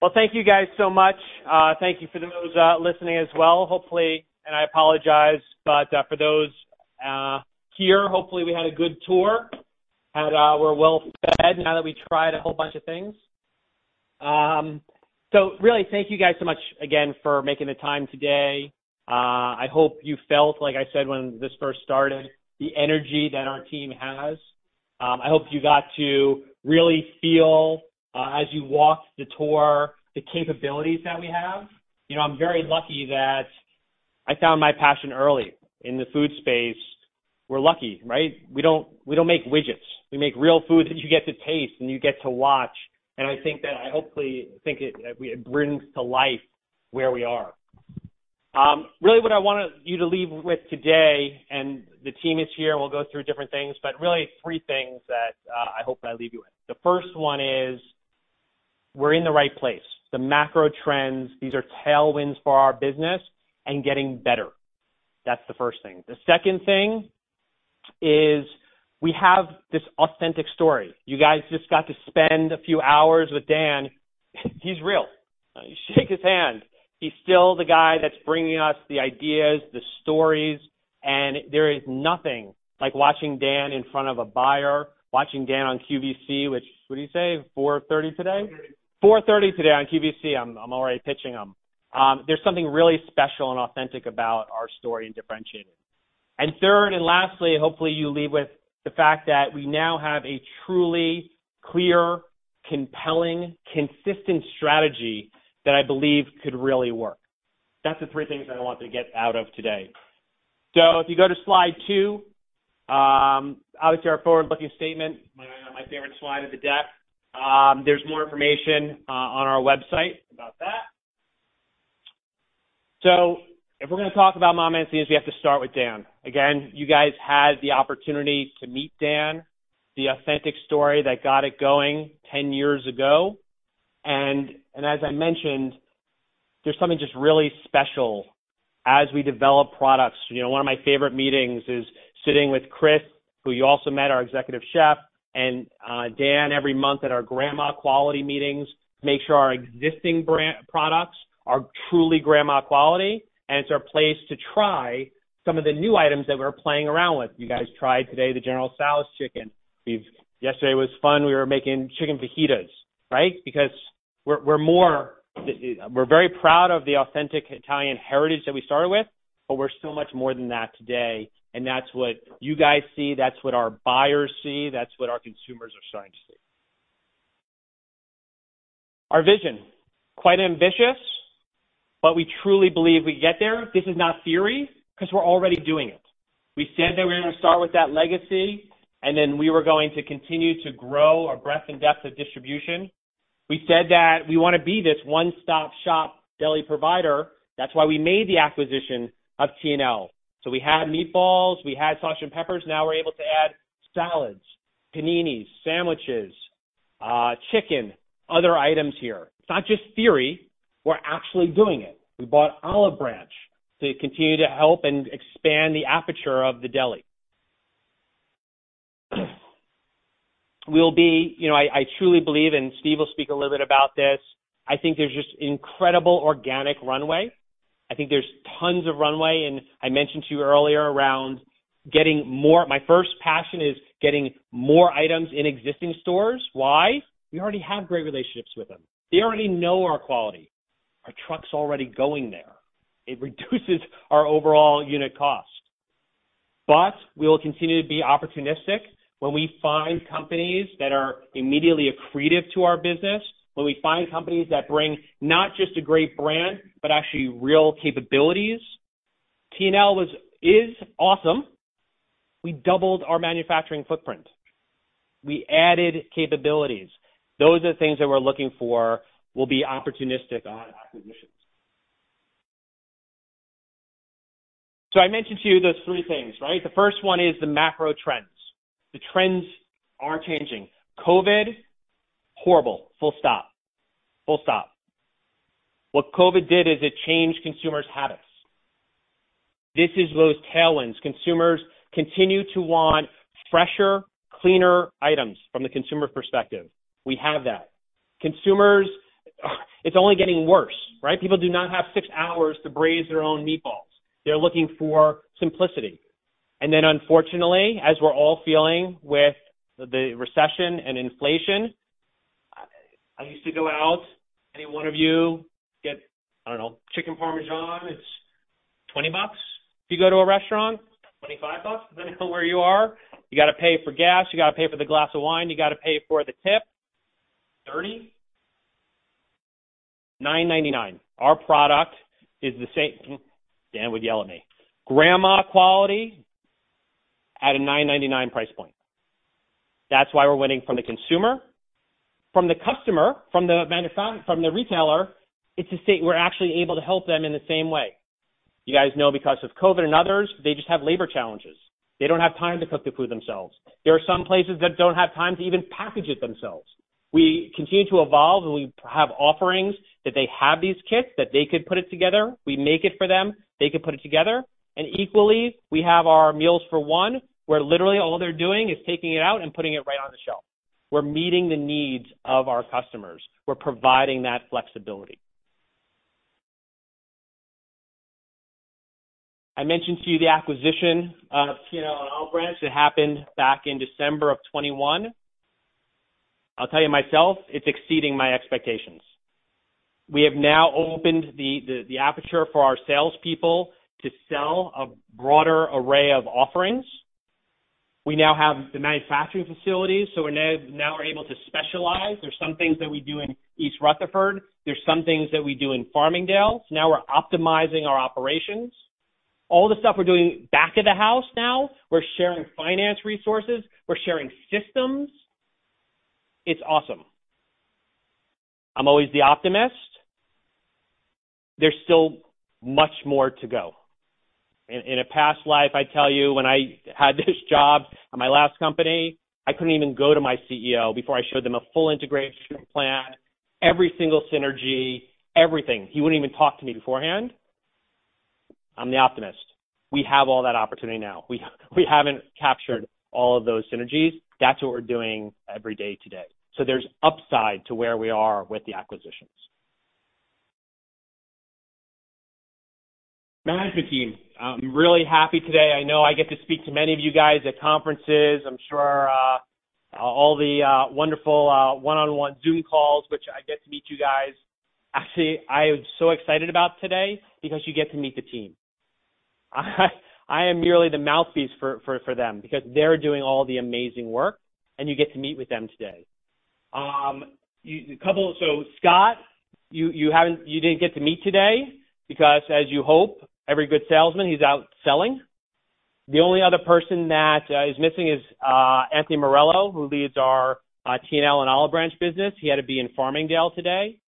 Great. Well, thank you guys so much. Thank you for those listening as well. Hopefully, I apologize, for those here, hopefully, we had a good tour and we're well fed now that we tried a whole bunch of things. Really thank you guys so much again for making the time today. I hope you felt, like I said when this first started, the energy that our team has. I hope you got to really feel, as you walked the tour, the capabilities that we have. You know, I'm very lucky that I found my passion early in the food space. We're lucky, right? We don't make widgets. We make real food that you get to taste and you get to watch. I think that, I hopefully think it brings to life where we are. Really what I wanted you to leave with today, and the team is here, and we'll go through different things, but really three things that I hope that I leave you with. The first one is we're in the right place, the macro trends. These are tailwinds for our business and getting better. That's the first thing. The second thing is we have this authentic story. You guys just got to spend a few hours with Dan. He's real. You shake his hand. He's still the guy that's bringing us the ideas, the stories. There is nothing like watching Dan in front of a buyer, watching Dan on QVC, which what do you say, 4:30 P.M. today? 4:30. 4:30 today on QVC, I'm already pitching him. There's something really special and authentic about our story and differentiating. Third, and lastly, hopefully you leave with the fact that we now have a truly clear, compelling, consistent strategy that I believe could really work. That's the three things that I want to get out of today. If you go to slide two, obviously our forward-looking statement, my favorite slide of the deck. There's more information on our website about that. If we're gonna talk about MamaMancini's, we have to start with Dan. Again, you guys had the opportunity to meet Dan, the authentic story that got it going 10 years ago. As I mentioned, there's something just really special as we develop products. You know, one of my favorite meetings is sitting with Chris, who you also met our executive chef, and Dan every month at our grandma quality meetings, make sure our existing brand products are truly grandma quality, and it's our place to try some of the new items that we're playing around with. You guys tried today, the General Tso's Chicken. Yesterday was fun. We were making chicken fajitas, right? Because we're very proud of the authentic Italian heritage that we started with, but we're so much more than that today. That's what you guys see. That's what our buyers see. That's what our consumers are starting to see. Our vision, quite ambitious, but we truly believe we get there. This is not theory because we're already doing it. We said that we're gonna start with that legacy, and then we were going to continue to grow our breadth and depth of distribution. We said that we wanna be this one-stop-shop deli provider. That's why we made the acquisition of T&L. We had meatballs, we had sausage and peppers. Now we're able to add salads, paninis, sandwiches, chicken, other items here. It's not just theory. We're actually doing it. We bought Olive Branch to continue to help and expand the aperture of the deli. You know, I truly believe, and Steve will speak a little bit about this. I think there's just incredible organic runway. I think there's tons of runway. I mentioned to you earlier around getting more items in existing stores. Why? We already have great relationships with them. They already know our quality. Our truck's already going there. It reduces our overall unit cost. We will continue to be opportunistic when we find companies that are immediately accretive to our business, when we find companies that bring not just a great brand, but actually real capabilities. T&L is awesome. We doubled our manufacturing footprint. We added capabilities. Those are things that we're looking for. We'll be opportunistic on acquisitions. I mentioned to you those three things, right? The first one is the macro trends. The trends are changing. COVID, horrible. Full stop. What COVID did is it changed consumers' habits. This is those tailwinds. Consumers continue to want fresher, cleaner items from the consumer perspective. We have that. Consumers, it's only getting worse, right? People do not have six hours to braise their own meatballs. They're looking for simplicity. Unfortunately, as we're all feeling with the recession and inflation, I used to go out, any one of you get, I don't know, chicken parmesan, it's $20 if you go to a restaurant, $25, depending on where you are. You got to pay for gas. You got to pay for the glass of wine. You got to pay for the tip. $30. $9.99. Our product is the same. Dan would yell at me. Grandma quality at a $9.99 price point. That's why we're winning from the consumer. From the customer, from the retailer, it's a state. We're actually able to help them in the same way. You guys know because of COVID and others, they just have labor challenges. They don't have time to cook the food themselves. There are some places that don't have time to even package it themselves. We continue to evolve, and we have offerings that they have these kits that they could put it together. We make it for them. They could put it together. Equally, we have our Meals for One, where literally all they're doing is taking it out and putting it right on the shelf. We're meeting the needs of our customers. We're providing that flexibility. I mentioned to you the acquisition of T&L and The Olive Branch that happened back in December of 2021. I'll tell you myself, it's exceeding my expectations. We have now opened the aperture for our salespeople to sell a broader array of offerings. We now have the manufacturing facilities, so now we're able to specialize. There's some things that we do in East Rutherford. There's some things that we do in Farmingdale. Now we're optimizing our operations. All the stuff we're doing back of the house now, we're sharing finance resources, we're sharing systems. It's awesome. I'm always the optimist. There's still much more to go. In a past life, I tell you, when I had this job at my last company, I couldn't even go to my CEO before I showed them a full integration plan. Every single synergy, everything. He wouldn't even talk to me beforehand. I'm the optimist. We have all that opportunity now. We haven't captured all of those synergies. That's what we're doing every day today. There's upside to where we are with the acquisitions. Management team, I'm really happy today. I know I get to speak to many of you guys at conferences. I'm sure, all the wonderful one-on-one Zoom calls, which I get to meet you guys. Actually, I am so excited about today because you get to meet the team. I am merely the mouthpiece for them because they're doing all the amazing work. You get to meet with them today. Scott, you didn't get to meet today because, as you hope, every good salesman, he's out selling. The only other person that is missing is Anthony Morello, who leads our T&L and Olive Branch business. He had to be in Farmingdale today.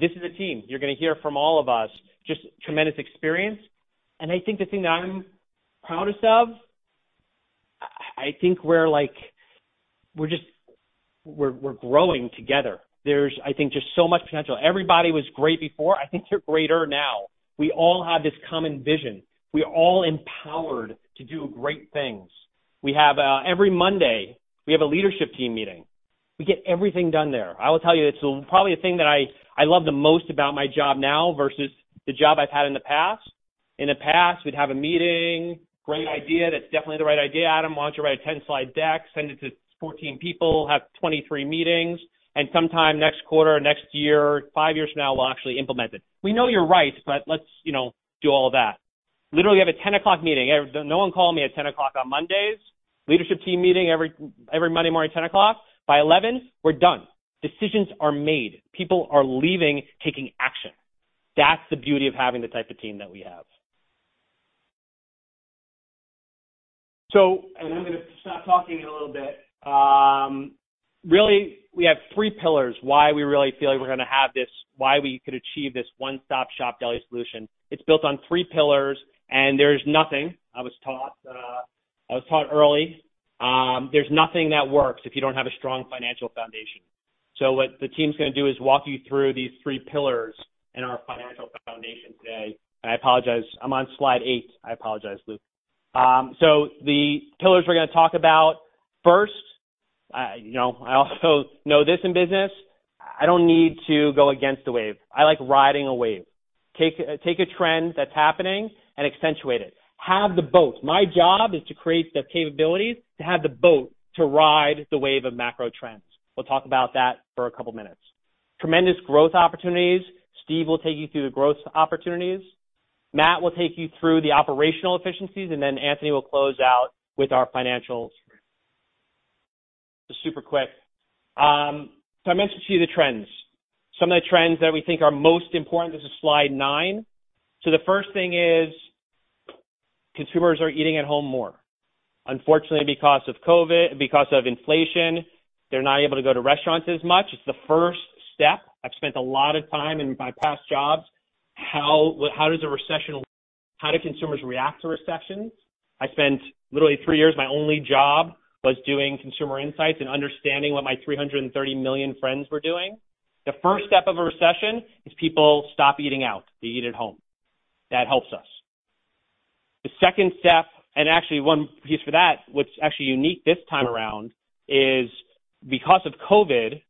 This is a team. You're gonna hear from all of us. Just tremendous experience. I think the thing that I'm proudest of, I think we're just growing together. There's, I think, just so much potential. Everybody was great before. I think they're greater now. We all have this common vision. We're all empowered to do great things. We have every Monday, we have a leadership team meeting. We get everything done there. I will tell you, it's probably a thing that I love the most about my job now versus the job I've had in the past. In the past, we'd have a meeting. Great idea. That's definitely the right idea. Adam, why don't you write a 10-slide deck, send it to 14 people, have 23 meetings, sometime next quarter or next year, five years from now, we'll actually implement it. We know you're right, but let's, you know, do all of that. Literally, we have a 10:00 meeting. No one called me at 10:00 on Mondays. Leadership team meeting every Monday morning at 10:00. By 11, we're done. Decisions are made. People are leaving, taking action. That's the beauty of having the type of team that we have. I'm gonna stop talking a little bit. Really we have three pillars why we really feel like we're gonna have why we could achieve this one-stop-shop deli solution. It's built on three pillars, there's nothing I was taught early, there's nothing that works if you don't have a strong financial foundation. What the team's gonna do is walk you through these three pillars in our financial foundation today. I apologize. I'm on slide eight. I apologize, Luke. The pillars we're gonna talk about first, you know, I also know this in business. I don't need to go against the wave. I like riding a wave. Take a trend that's happening and accentuate it. Have the boat. My job is to create the capabilities to have the boat to ride the wave of macro trends. We'll talk about that for a couple minutes. Tremendous growth opportunities. Steve will take you through the growth opportunities. Matt will take you through the operational efficiencies, and then Anthony will close out with our financials. Just super quick. I mentioned to you the trends. Some of the trends that we think are most important. This is slide nine. The first thing is consumers are eating at home more. Unfortunately, because of COVID, because of inflation, they're not able to go to restaurants as much. It's the first step. I've spent a lot of time in my past jobs. How do consumers react to recessions? I spent literally 3 years. My only job was doing consumer insights and understanding what my 330 million friends were doing. The first step of a recession is people stop eating out. They eat at home. That helps us. The second step, actually one piece for that, what's actually unique this time around is because of COVID,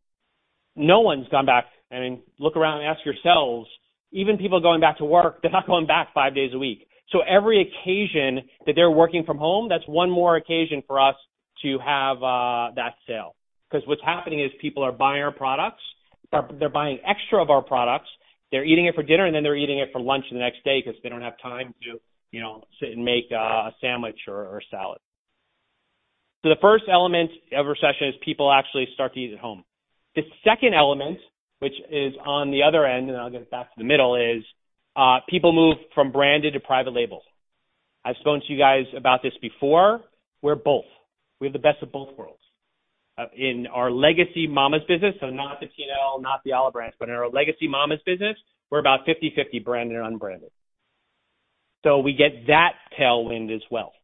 no one's gone back. I mean, look around and ask yourselves, even people going back to work, they're not going back five days a week. Every occasion that they're working from home, that's one more occasion for us to have that sale. 'Cause what's happening is people are buying our products. They're buying extra of our products. They're eating it for dinner, and then they're eating it for lunch the next day 'cause they don't have time to, you know, sit and make a sandwich or a salad. The first element of a recession is people actually start to eat at home. The second element, which is on the other end, and I'll get back to the middle, is people move from branded to private label. I've spoken to you guys about this before. We're both. We have the best of both worlds. In our legacy Mama's business, so not the T&L, not The Olive Branch, but in our legacy Mama's business, we're about 50-50 branded and unbranded. We get that tailwind as well.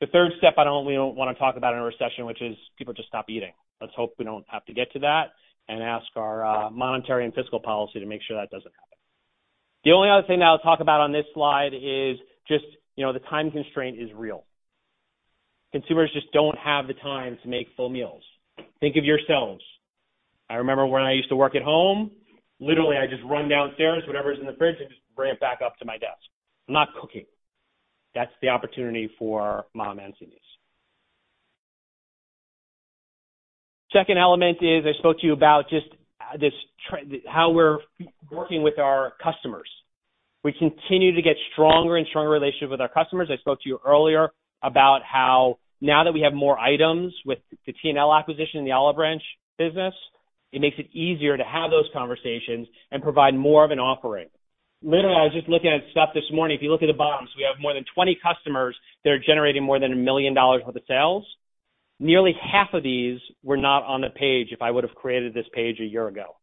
The third step, I know we don't wanna talk about in a recession, which is people just stop eating. Let's hope we don't have to get to that and ask our monetary and fiscal policy to make sure that doesn't happen. The only other thing that I'll talk about on this slide is just, you know, the time constraint is real. Consumers just don't have the time to make full meals. Think of yourselves. I remember when I used to work at home, literally, I just run downstairs, whatever's in the fridge, I just bring it back up to my desk, I'm not cooking. That's the opportunity for MamaMancini's. Second element is I spoke to you about just how we're working with our customers. We continue to get stronger and stronger relationship with our customers. I spoke to you earlier about how now that we have more items with the T&L acquisition and The Olive Branch business, it makes it easier to have those conversations and provide more of an offering. Literally, I was just looking at stuff this morning. If you look at the bottoms, we have more than 20 customers that are generating more than $1 million worth of sales. Nearly half of these were not on the page if I would have created this page a year ago.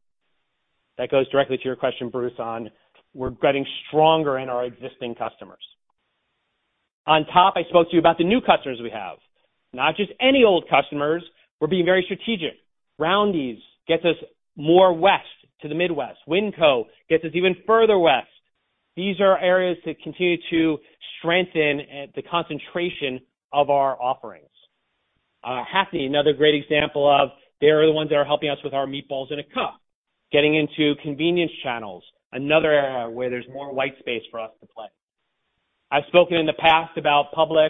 That goes directly to your question, Bruce, on we're getting stronger in our existing customers. On top, I spoke to you about the new customers we have. Not just any old customers. We're being very strategic. Roundy's gets us more west to the Midwest. WinCo gets us even further west. These are areas that continue to strengthen the concentration of our offerings. Harpi, another great example of they are the ones that are helping us with our Meatballs in a Cup, getting into convenience channels, another area where there's more white space for us to play. I've spoken in the past about Publix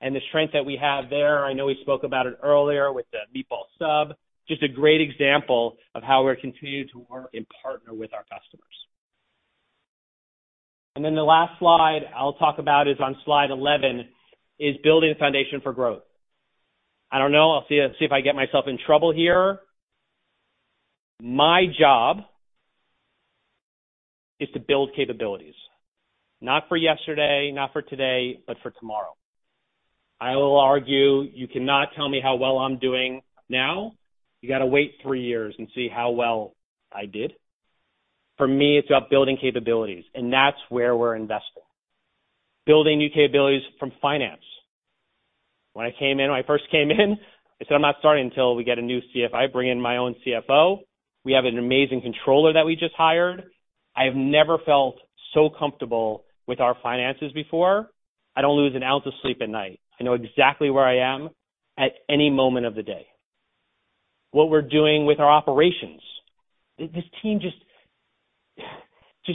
and the strength that we have there. I know we spoke about it earlier with the meatball sub. Just a great example of how we're continuing to work and partner with our customers. The last slide I'll talk about is on slide 11, is building a foundation for growth. I don't know. I'll see if I get myself in trouble here. My job is to build capabilities. Not for yesterday, not for today, but for tomorrow. I will argue you cannot tell me how well I'm doing now. You got to wait three years and see how well I did. For me, it's about building capabilities, and that's where we're investing. Building new capabilities from finance. When I first came in, I said, "I'm not starting until we get a new CF. I bring in my own CFO. We have an amazing controller that we just hired. I have never felt so comfortable with our finances before. I don't lose an ounce of sleep at night. I know exactly where I am at any moment of the day. What we're doing with our operations. This team just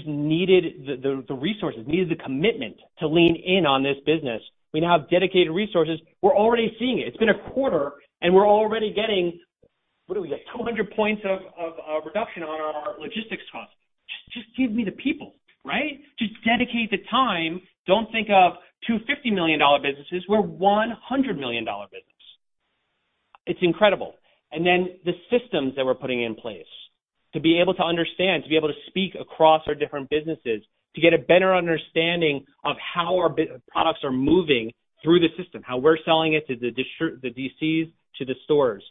needed the resources, needed the commitment to lean in on this business. We now have dedicated resources. We're already seeing it. It's been a quarter, and we're already getting what do we get? 200 points of reduction on our logistics costs. Just give me the people, right? Just dedicate the time. Don't think of $250 million businesses, we're $100 million business. It's incredible. The systems that we're putting in place to be able to understand, to be able to speak across our different businesses, to get a better understanding of how our products are moving through the system, how we're selling it to the DCs to the stores.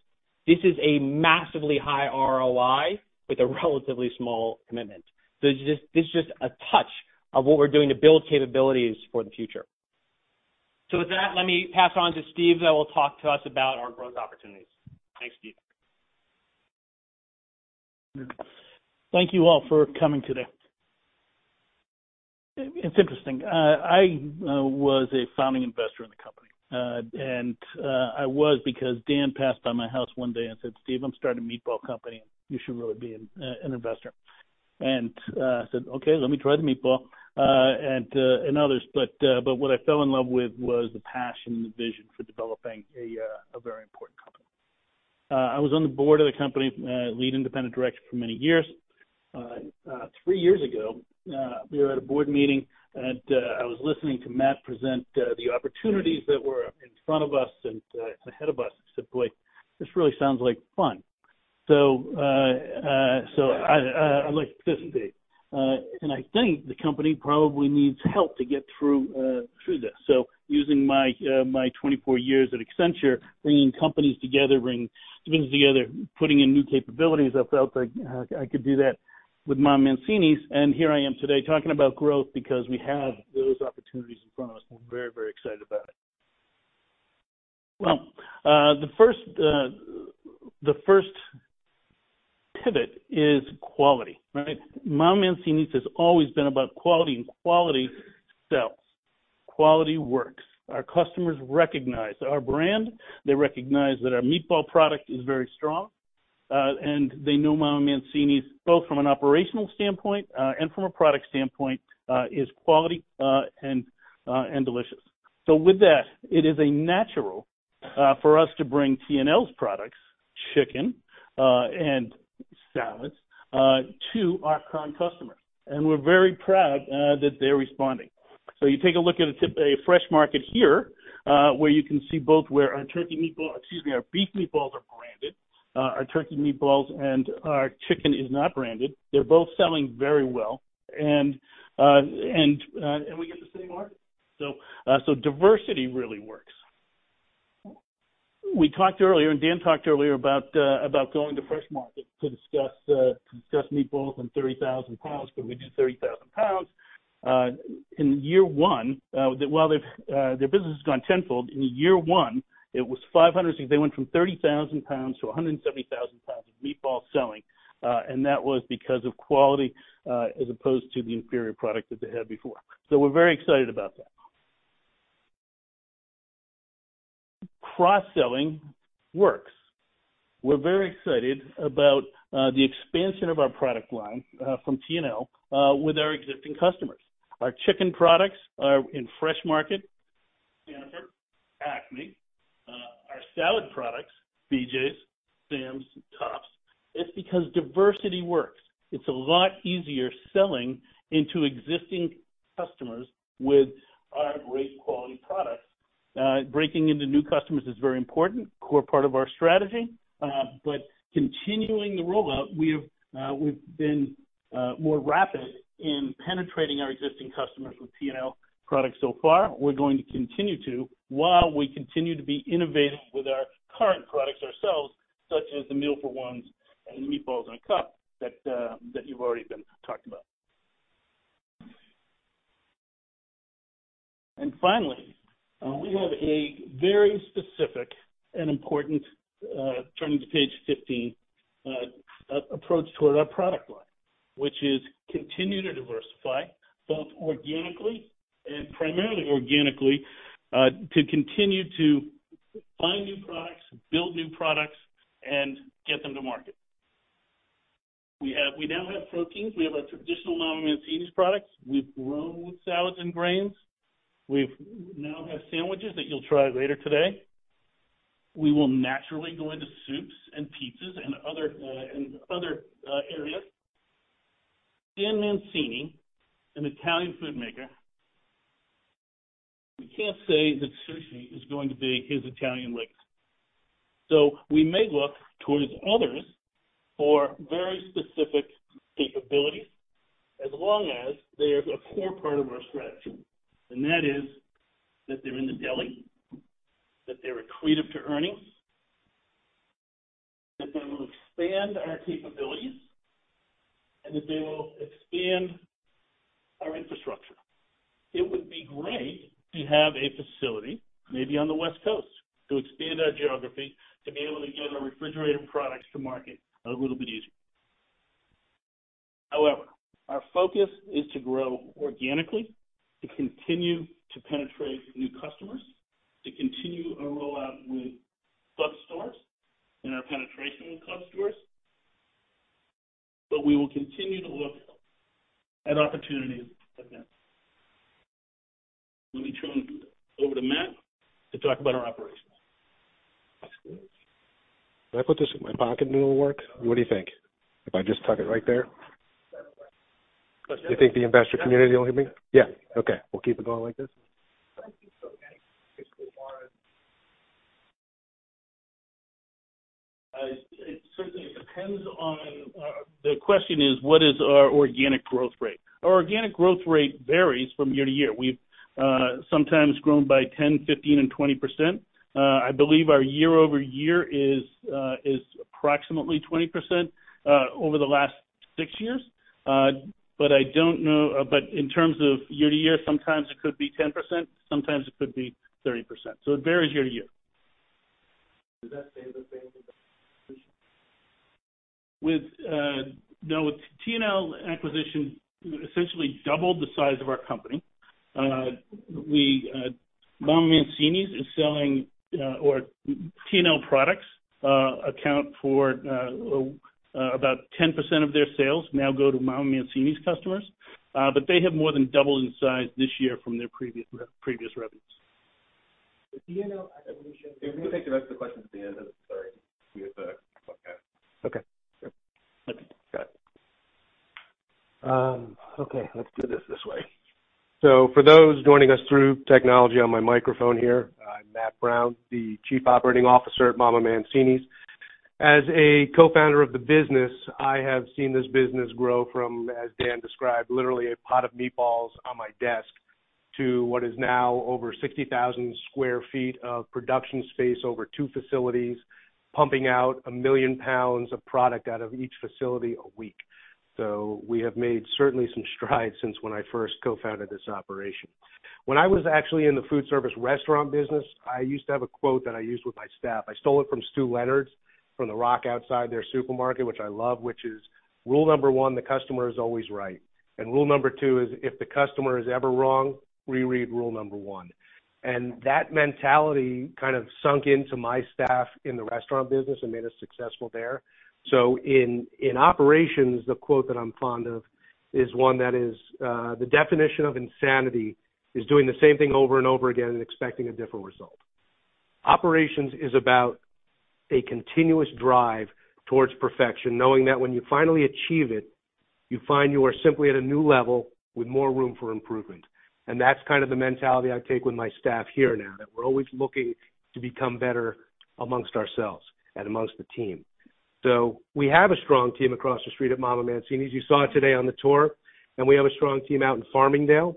This is a massively high ROI with a relatively small commitment. This is just a touch of what we're doing to build capabilities for the future. With that, let me pass on to Steve, that will talk to us about our growth opportunities. Thanks, Steve. Thank you all for coming today. It's interesting. I was a founding investor in the company, and I was because Dan passed by my house one day and said, "Steve, I'm starting a meatball company. You should really be an investor." I said, "Okay, let me try the meatball, and others." What I fell in love with was the passion and the vision for developing a very important company. I was on the board of the company, lead independent director for many years. Three years ago, we were at a board meeting, and I was listening to Matt present the opportunities that were in front of us and ahead of us. I said, "Boy, this really sounds like fun." I'd like to participate. I think the company probably needs help to get through through this. Using my 24 years at Accenture, bringing companies together, bring things together, putting in new capabilities, I felt like I could do that with MamaMancini's. Here I am today talking about growth because we have those opportunities in front of us. We're very excited about it. Well, the first, the first pivot is quality, right? MamaMancini's has always been about quality, and quality sells. Quality works. Our customers recognize our brand. They recognize that our meatball product is very strong. They know MamaMancini's, both from an operational standpoint, and from a product standpoint, is quality, and delicious. With that, it is a natural for us to bring T&L's products, chicken, and salads to our current customers. We're very proud that they're responding. You take a look at a Fresh Market here, where you can see both where our turkey meatballs, excuse me, our beef meatballs are branded, our turkey meatballs and our chicken is not branded. They're both selling very well. We get the same market. Diversity really works. We talked earlier, and Dan talked earlier about going to Fresh Market to discuss meatballs and 30,000 lbs. Could we do 30,000 lbs? In year one, while they've, their business has gone tenfold, in year one, it was 500, so they went from 30,000 pounds to 170,000 pounds. Meatball selling. And that was because of quality, as opposed to the inferior product that they had before. We're very excited about that. Cross-selling works. We're very excited about the expansion of our product line, from T&L, with our existing customers. Our chicken products are in Fresh Market, Hannaford, ACME, our salad products, BJ's, Sam's, Tops. It's because diversity works. It's a lot easier selling into existing customers with our great quality products. Breaking into new customers is very important, core part of our strategy. Continuing the rollout, we've been more rapid in penetrating our existing customers with T&L products so far. We're going to continue to, while we continue to be innovative with our current products ourselves, such as the Meals for One and the Meatballs in a Cup that you've already been talked about. Finally, we have a very specific and important, turning to page 15, approach toward our product line, which is continue to diversify both organically and primarily organically, to continue to find new products, build new products, and get them to market. We now have proteins. We have our traditional MamaMancini's products. We've grown with salads and grains. We now have sandwiches that you'll try later today. We will naturally go into soups and pizzas and other and other areas. Dan Mancini, an Italian food maker. We can't say that sushi is going to be his Italian link. We may look towards others for very specific capabilities as long as they are a core part of our strategy, and that is that they're in the deli, that they're accretive to earnings, that they will expand our capabilities, and that they will expand our infrastructure. It would be great to have a facility maybe on the West Coast to expand our geography, to be able to get our refrigerated products to market a little bit easier. However, our focus is to grow organically, to continue to penetrate new customers, to continue our rollout with club stores and our penetration with club stores, but we will continue to look at opportunities like that. Let me turn over to Matt to talk about our operations. If I put this in my pocket and it'll work, what do you think? If I just tuck it right there. You think the investor community will hear me? Yeah. Okay. We'll keep it going like this. It certainly depends on, the question is what is our organic growth rate? Our organic growth rate varies from year to year. We've sometimes grown by 10%, 15%, and 20%. I believe our year-over-year is approximately 20% over the last six years. I don't know. In terms of year to year, sometimes it could be 10%, sometimes it could be 30%. It varies year to year. Does that stay the same with the acquisition? With, no, with T&L acquisition, essentially doubled the size of our company. we, MamaMancini's is selling, or T&L products, account for, about 10% of their sales now go to MamaMancini's customers. They have more than doubled in size this year from their previous revenues. The T&L acquisition Can we take the rest of the questions at the end? Sorry. We have to. Okay. Sure. Got it. Okay, let's do this this way. For those joining us through technology on my microphone here, I'm Matt Brown, the Chief Operating Officer at MamaMancini's. As a co-founder of the business, I have seen this business grow from, as Dan described, literally a pot of meatballs on my desk to what is now over 60,000 sq ft of production space over two facilities, pumping out 1,000,000 lbs of product out of each facility a week. We have made certainly some strides since when I first co-founded this operation. When I was actually in the food service restaurant business, I used to have a quote that I used with my staff. I stole it from Stew Leonard's, from the rock outside their supermarket, which I love, which is, "Rule number one, the customer is always right. Rule number two is, if the customer is ever wrong, reread rule number one." That mentality kind of sunk into my staff in the restaurant business and made us successful there. In operations, the quote that I'm fond of is one that is, "The definition of insanity is doing the same thing over and over again and expecting a different result." Operations is about a continuous drive towards perfection, knowing that when you finally achieve it, you find you are simply at a new level with more room for improvement. That's kind of the mentality I take with my staff here now, that we're always looking to become better amongst ourselves and amongst the team. We have a strong team across the street at MamaMancini's, as you saw today on the tour, and we have a strong team out in Farmingdale.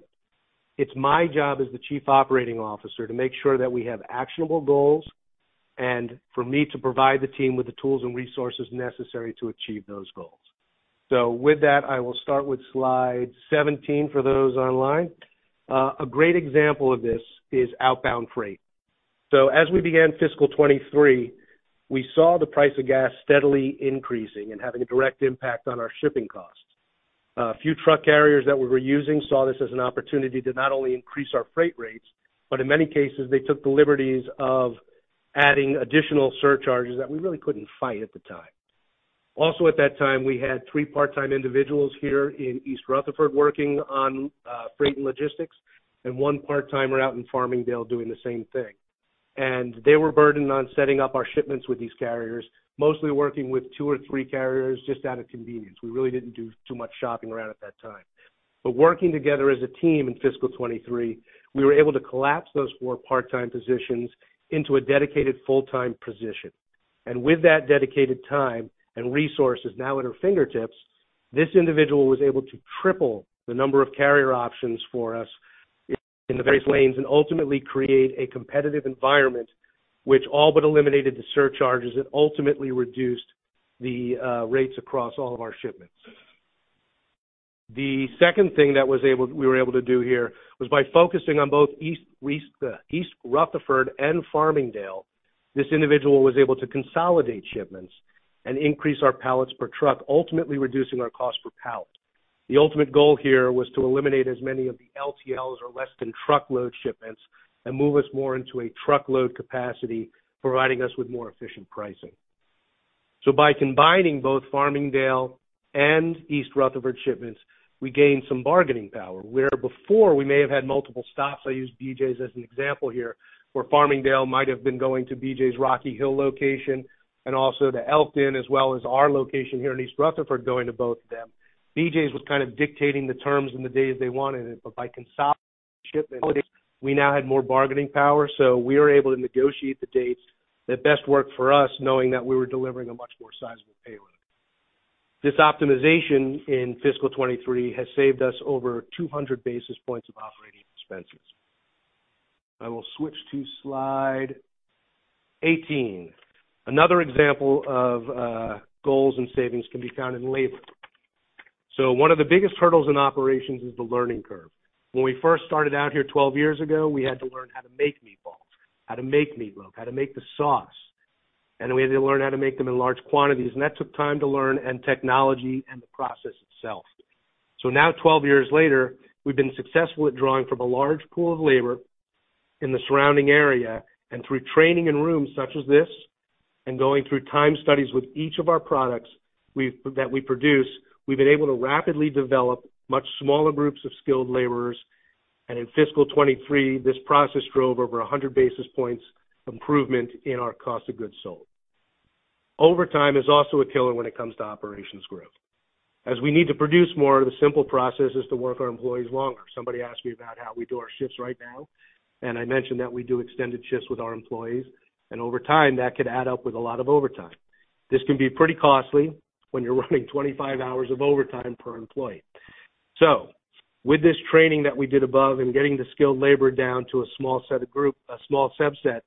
It's my job as the chief operating officer to make sure that we have actionable goals and for me to provide the team with the tools and resources necessary to achieve those goals. With that, I will start with slide 17 for those online. A great example of this is outbound freight. As we began fiscal 2023, we saw the price of gas steadily increasing and having a direct impact on our shipping costs. A few truck carriers that we were using saw this as an opportunity to not only increase our freight rates, but in many cases, they took the liberties of adding additional surcharges that we really couldn't fight at the time. Also, at that time, we had three part-time individuals here in East Rutherford working on freight and logistics, and one part-timer out in Farmingdale doing the same thing. They were burdened on setting up our shipments with these carriers, mostly working with two or three carriers just out of convenience. We really didn't do too much shopping around at that time. Working together as a team in fiscal 2023, we were able to collapse those four part-time positions into a dedicated full-time position. With that dedicated time and resources now at our fingertips, this individual was able to triple the number of carrier options for us in the various lanes and ultimately create a competitive environment which all but eliminated the surcharges and ultimately reduced the rates across all of our shipments. The second thing we were able to do here was by focusing on both East Rutherford and Farmingdale, this individual was able to consolidate shipments and increase our pallets per truck, ultimately reducing our cost per pallet. The ultimate goal here was to eliminate as many of the LTLs or less than truckload shipments and move us more into a truckload capacity, providing us with more efficient pricing. By combining both Farmingdale and East Rutherford shipments, we gained some bargaining power, where before we may have had multiple stops. I use BJ's as an example here, where Farmingdale might have been going to BJ's Rocky Hill location and also to Elkton, as well as our location here in East Rutherford going to both of them. BJ's was kind of dictating the terms and the days they wanted it. By consolidating shipments, we now had more bargaining power. We were able to negotiate the dates that best worked for us, knowing that we were delivering a much more sizable payload. This optimization in fiscal 2023 has saved us over 200 basis points of operating expenses. I will switch to slide 18. Another example of goals and savings can be found in labor. One of the biggest hurdles in operations is the learning curve. When we first started out here 12 years ago, we had to learn how to make meatballs, how to make meatloaf, how to make the sauce, and we had to learn how to make them in large quantities. That took time to learn and technology and the process itself. Now, 12 years later, we've been successful at drawing from a large pool of labor in the surrounding area. Through training in rooms such as this and going through time studies with each of our products that we produce, we've been able to rapidly develop much smaller groups of skilled laborers. In fiscal 2023, this process drove over 100 basis points improvement in our cost of goods sold. Overtime is also a killer when it comes to operations growth. As we need to produce more, the simple process is to work our employees longer. Somebody asked me about how we do our shifts right now, and I mentioned that we do extended shifts with our employees. Over time, that could add up with a lot of overtime. This can be pretty costly when you're running 25 hours of overtime per employee. With this training that we did above and getting the skilled labor down to a small set of group, a small subset,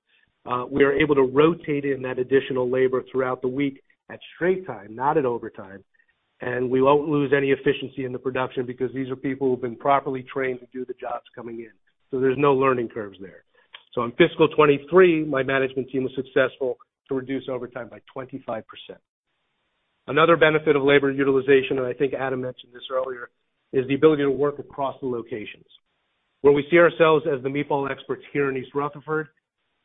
we are able to rotate in that additional labor throughout the week at straight time, not at overtime. We won't lose any efficiency in the production because these are people who've been properly trained to do the jobs coming in. There's no learning curves there. In fiscal 2023, my management team was successful to reduce overtime by 25%. Another benefit of labor utilization, and I think Adam mentioned this earlier, is the ability to work across the locations. Where we see ourselves as the meatball experts here in East Rutherford,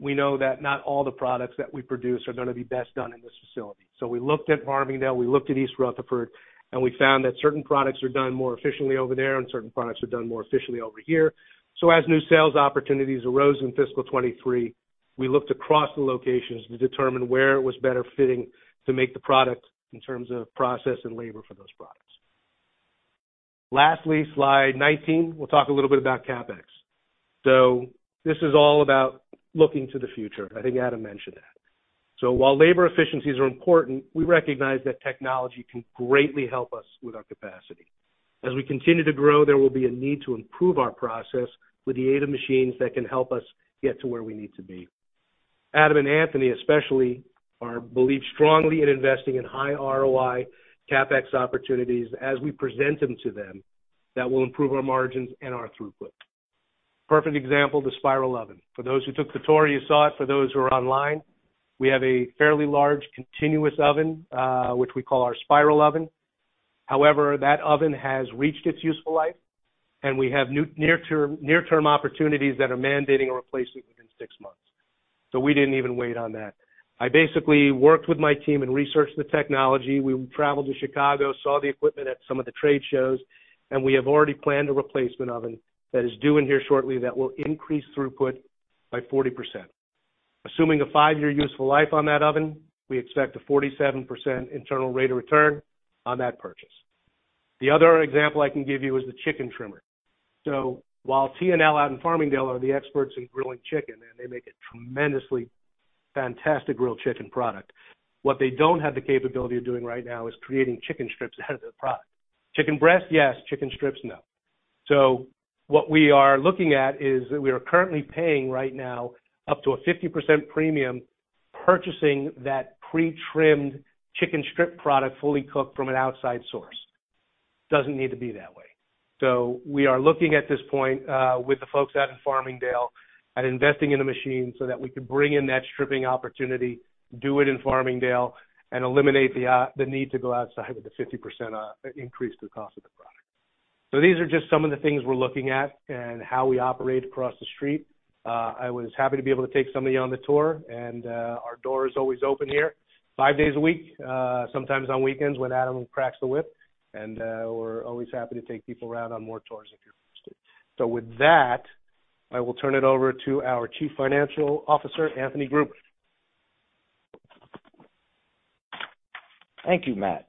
we know that not all the products that we produce are gonna be best done in this facility. We looked at Farmingdale, we looked at East Rutherford, and we found that certain products are done more efficiently over there and certain products are done more efficiently over here. As new sales opportunities arose in fiscal 2023, we looked across the locations to determine where it was better fitting to make the product in terms of process and labor for those products. Lastly, slide 19, we'll talk a little bit about CapEx. This is all about looking to the future. I think Adam mentioned that. While labor efficiencies are important, we recognize that technology can greatly help us with our capacity. As we continue to grow, there will be a need to improve our process with the aid of machines that can help us get to where we need to be. Adam and Anthony especially believe strongly in investing in high ROI CapEx opportunities as we present them to them that will improve our margins and our throughput. Perfect example, the spiral oven. For those who took the tour, you saw it. For those who are online, we have a fairly large continuous oven, which we call our spiral oven. However, that oven has reached its useful life, and we have new near-term opportunities that are mandating a replacement within six months. We didn't even wait on that. I basically worked with my team and researched the technology. We traveled to Chicago, saw the equipment at some of the trade shows, and we have already planned a replacement oven that is due in here shortly that will increase throughput by 40%. Assuming a five-year useful life on that oven, we expect a 47% internal rate of return on that purchase. The other example I can give you is the chicken trimmer. While T&L out in Farmingdale are the experts in grilling chicken, and they make a tremendously fantastic grilled chicken product, what they don't have the capability of doing right now is creating chicken strips as a product. Chicken breast, yes. Chicken strips, no. What we are looking at is that we are currently paying right now up to a 50% premium purchasing that pre-trimmed chicken strip product fully cooked from an outside source. Doesn't need to be that way. We are looking at this point, with the folks out in Farmingdale at investing in a machine so that we can bring in that stripping opportunity, do it in Farmingdale, and eliminate the need to go outside with a 50%, increase the cost of the product. These are just some of the things we're looking at and how we operate across the street. I was happy to be able to take some of you on the tour, and our door is always open here five days a week, sometimes on weekends when Adam cracks the whip, and we're always happy to take people around on more tours if you're interested. With that, I will turn it over to our Chief Financial Officer, Anthony Gruber. Thank you, Matt.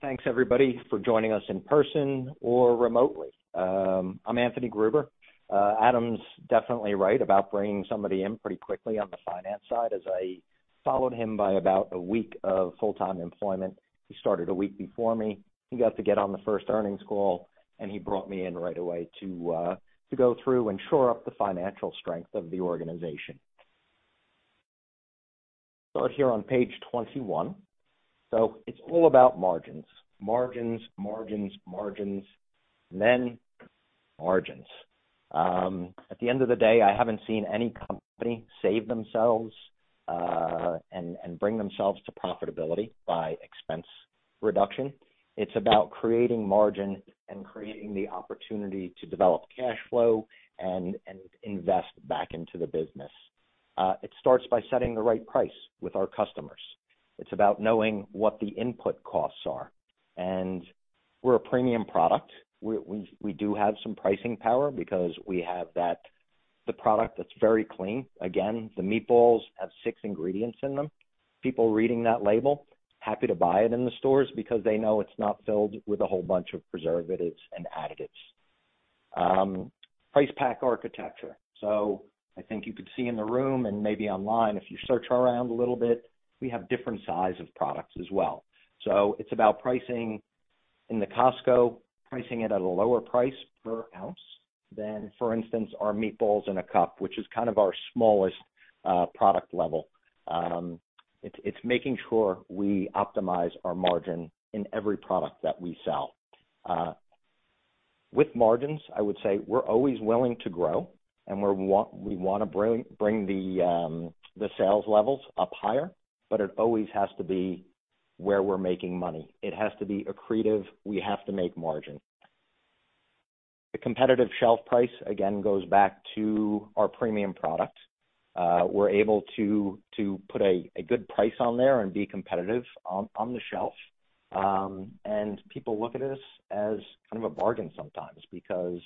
Thanks everybody for joining us in person or remotely. I'm Anthony Gruber. Adam's definitely right about bringing somebody in pretty quickly on the finance side, as I followed him by about a week of full-time employment. He started a week before me. He got to get on the first earnings call, and he brought me in right away to go through and shore up the financial strength of the organization. Start here on page 21. It's all about margins. Margins, margins, and then margins. At the end of the day, I haven't seen any company save themselves and bring themselves to profitability by expense reduction. It's about creating margin and creating the opportunity to develop cash flow and invest back into the business. It starts by setting the right price with our customers. It's about knowing what the input costs are. We're a premium product. We do have some pricing power because we have the product that's very clean. Again, the meatballs have 6 ingredients in them. People reading that label, happy to buy it in the stores because they know it's not filled with a whole bunch of preservatives and additives. Price Pack Architecture. I think you could see in the room and maybe online if you search around a little bit, we have different size of products as well. It's about pricing in the Costco, pricing it at a lower price per ounce than, for instance, our Meatballs in a Cup, which is kind of our smallest product level. It's making sure we optimize our margin in every product that we sell. With margins, I would say we're always willing to grow, and we wanna bring the sales levels up higher, but it always has to be where we're making money. It has to be accretive. We have to make margin. The competitive shelf price, again, goes back to our premium product. We're able to put a good price on there and be competitive on the shelf. People look at us as kind of a bargain sometimes because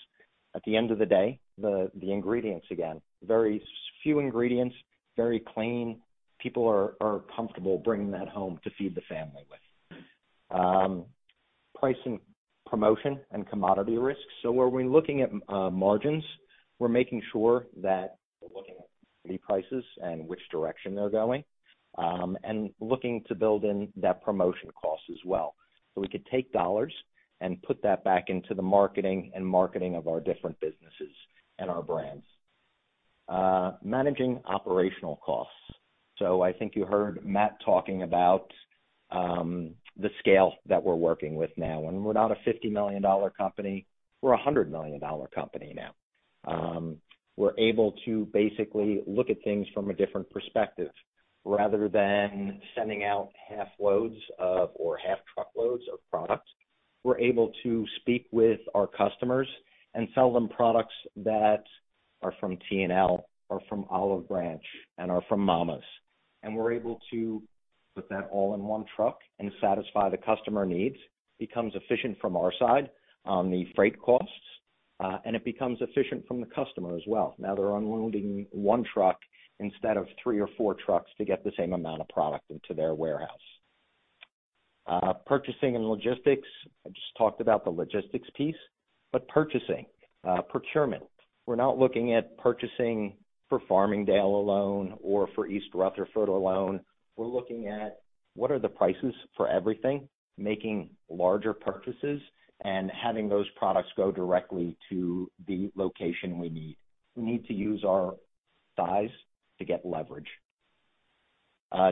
at the end of the day, the ingredients, again, very few ingredients, very clean. People are comfortable bringing that home to feed the family with. Pricing, promotion, and commodity risks. Where we're looking at margins, we're making sure that we're looking at the prices and which direction they're going, and looking to build in that promotion cost as well. We could take dollars and put that back into the marketing and marketing of our different businesses and our brands. Managing operational costs. I think you heard Matt talking about the scale that we're working with now. We're not a $50 million company. We're a $100 million company now. We're able to basically look at things from a different perspective. Rather than sending out half loads of or half truckloads of product, we're able to speak with our customers and sell them products that are from T&L or from The Olive Branch and are from Mama's. We're able to put that all in one truck and satisfy the customer needs, becomes efficient from our side on the freight costs, and it becomes efficient from the customer as well. Now, they're unloading one truck instead of three or four trucks to get the same amount of product into their warehouse. Purchasing and logistics. I just talked about the logistics piece, but purchasing, procurement. We're not looking at purchasing for Farmingdale alone or for East Rutherford alone. We're looking at what are the prices for everything, making larger purchases and having those products go directly to the location we need. We need to use our size to get leverage.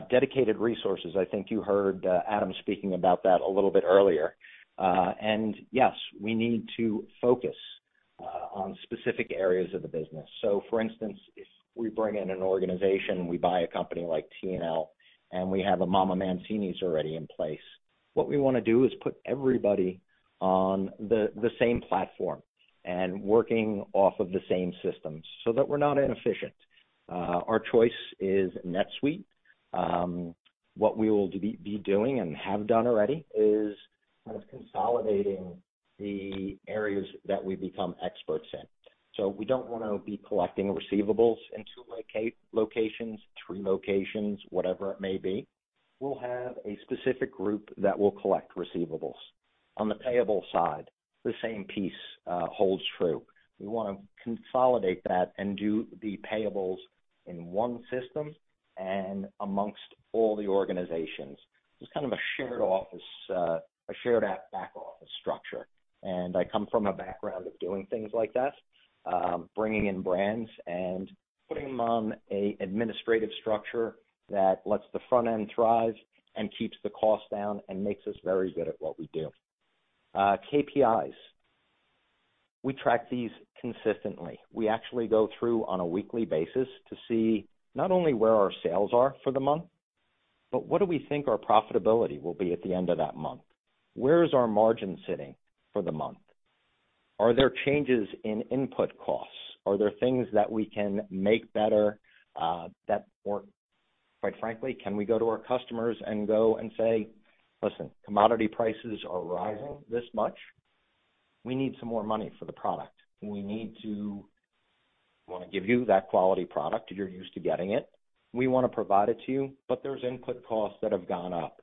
Dedicated resources. I think you heard Adam speaking about that a little bit earlier. Yes, we need to focus on specific areas of the business. For instance, if we bring in an organization, we buy a company like T&L, and we have a MamaMancini's already in place, what we wanna do is put everybody on the same platform and working off of the same systems so that we're not inefficient. Our choice is NetSuite. What we will be doing and have done already is kind of consolidating the areas that we become experts in. We don't wanna be collecting receivables in two locations, three locations, whatever it may be. We'll have a specific group that will collect receivables. On the payable side, the same piece holds true. We wanna consolidate that and do the payables in one system and amongst all the organizations. Just kind of a shared office, a shared app back office structure. I come from a background of doing things like that, bringing in brands and putting them on an administrative structure that lets the front end thrive and keeps the cost down and makes us very good at what we do. KPIs. We track these consistently. We actually go through on a weekly basis to see not only where our sales are for the month, but what do we think our profitability will be at the end of that month? Where is our margin sitting for the month? Are there changes in input costs? Are there things that we can make better, or quite frankly, can we go to our customers and go and say, "Listen, commodity prices are rising this much. We need some more money for the product. We wanna give you that quality product, you're used to getting it. We wanna provide it to you, but there's input costs that have gone up.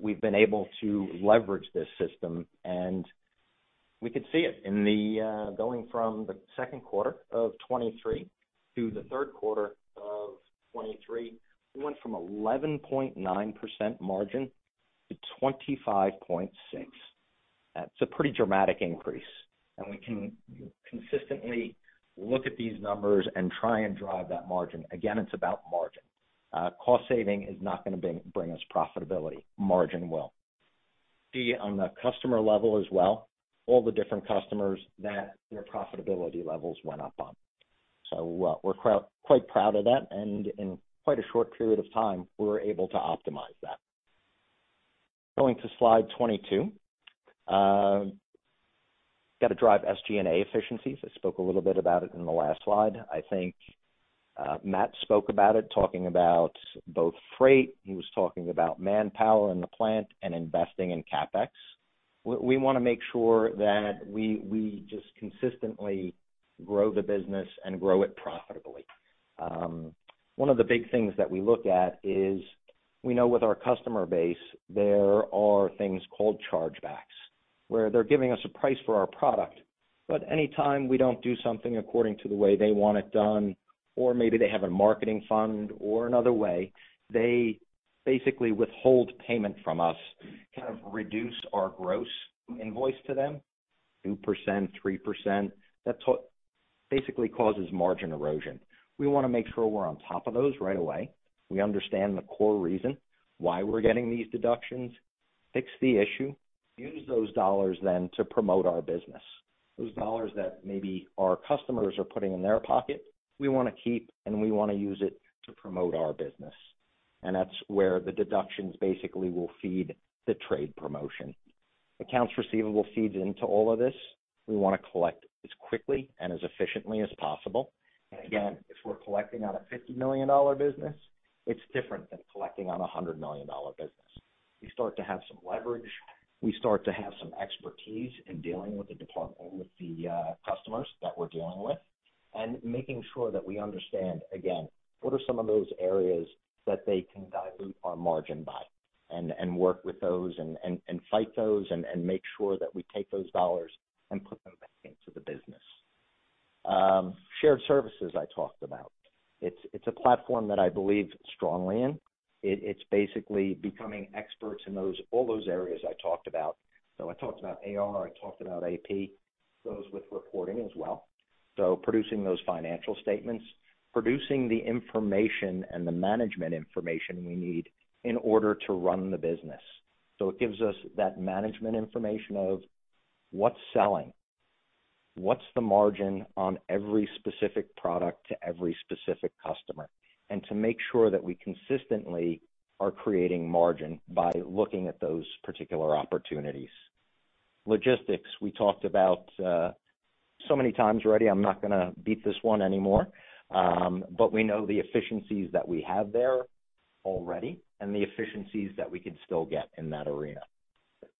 We've been able to leverage this system, and we could see it in the... Going from the second quarter of 2023 to the third quarter of 2023, we went from 11.9% margin to 25.6%. That's a pretty dramatic increase. We can consistently look at these numbers and try and drive that margin. Again, it's about margin. Cost saving is not gonna bring us profitability. Margin will. See on the customer level as well, all the different customers that their profitability levels went up on. We're quite proud of that, and in quite a short period of time, we were able to optimize that. Going to slide 22. Got to drive SG&A efficiencies. I spoke a little bit about it in the last slide. I think Matt spoke about it, talking about both freight, he was talking about manpower in the plant and investing in CapEx. We want to make sure that we just consistently grow the business and grow it profitably. One of the big things that we look at is, we know with our customer base, there are things called chargebacks, where they're giving us a price for our product. Any time we don't do something according to the way they want it done, or maybe they have a marketing fund or another way, they basically withhold payment from us, kind of reduce our gross invoice to them, 2%, 3%. That's what basically causes margin erosion. We want to make sure we're on top of those right away. We understand the core reason why we're getting these deductions, fix the issue, use those dollars then to promote our business. Those dollars that maybe our customers are putting in their pocket, we wanna keep, and we wanna use it to promote our business. That's where the deductions basically will feed the trade promotion. Accounts receivable feeds into all of this. We wanna collect as quickly and as efficiently as possible. Again, if we're collecting on a $50 million business, it's different than collecting on a $100 million business. We start to have some leverage. We start to have some expertise in dealing with the customers that we're dealing with. Making sure that we understand, again, what are some of those areas that they can dilute our margin by, and work with those and, and fight those and make sure that we take those dollars and put them back into the business. Shared services I talked about. It's, it's a platform that I believe strongly in. It, it's basically becoming experts in all those areas I talked about. I talked about AR, I talked about AP, goes with reporting as well. Producing those financial statements, producing the information and the management information we need in order to run the business. It gives us that management information of what's selling, what's the margin on every specific product to every specific customer, and to make sure that we consistently are creating margin by looking at those particular opportunities. Logistics, we talked about so many times already, I'm not gonna beat this one anymore. We know the efficiencies that we have there already and the efficiencies that we could still get in that arena.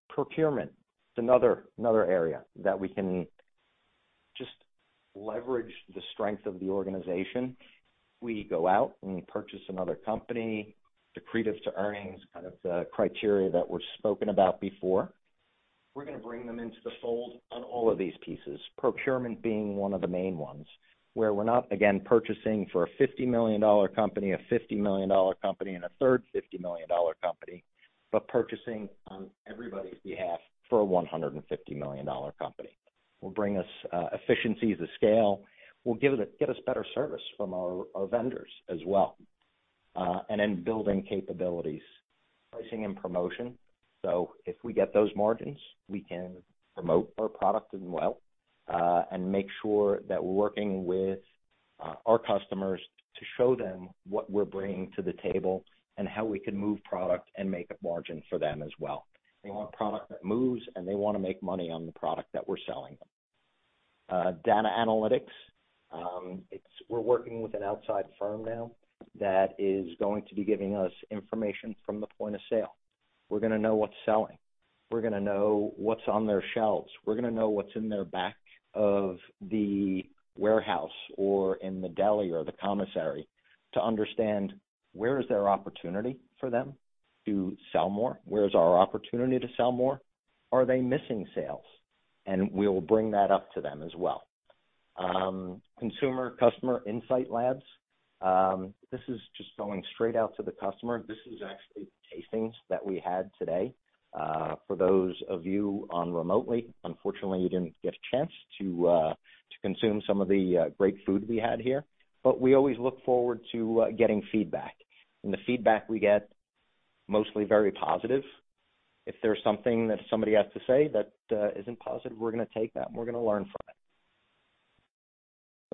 Procurement. It's another area that we can just leverage the strength of the organization. We go out and we purchase another company, accretive to earnings, kind of the criteria that were spoken about before. We're gonna bring them into the fold on all of these pieces, procurement being one of the main ones. Where we're not, again, purchasing for a $50 million company, a $50 million company and a third $50 million company, but purchasing on everybody's behalf for a $150 million company. Will bring us efficiencies of scale. Will get us better service from our vendors as well. Building capabilities. Pricing and promotion. If we get those margins, we can promote our product as well, and make sure that we're working with our customers to show them what we're bringing to the table and how we can move product and make up margin for them as well. They want product that moves, and they wanna make money on the product that we're selling them. Data analytics. We're working with an outside firm now that is going to be giving us information from the point of sale. We're gonna know what's selling. We're gonna know what's on their shelves. We're gonna know what's in their back of the warehouse or in the deli or the commissary to understand where is there opportunity for them to sell more? Where is our opportunity to sell more? Are they missing sales? We'll bring that up to them as well. Consumer customer insight labs. This is just going straight out to the customer. This is actually the tastings that we had today. For those of you on remotely, unfortunately, you didn't get a chance to consume some of the great food we had here. We always look forward to getting feedback. The feedback we get mostly very positive. If there's something that somebody has to say that isn't positive, we're gonna take that and we're gonna learn from it.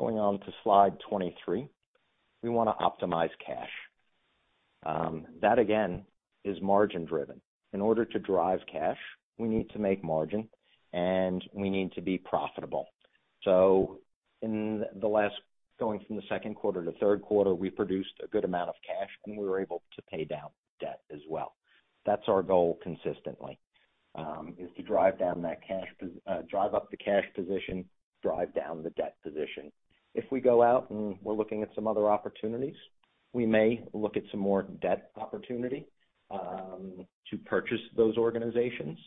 Going on to slide 23. We wanna optimize cash. That again, is margin driven. In order to drive cash, we need to make margin, and we need to be profitable. In the last-- going from the second quarter to third quarter, we produced a good amount of cash, and we were able to pay down debt as well. That's our goal consistently, is to drive down that cash position, drive up the cash position, drive down the debt position. If we go out and we're looking at some other opportunities, we may look at some more debt opportunity, to purchase those organizations.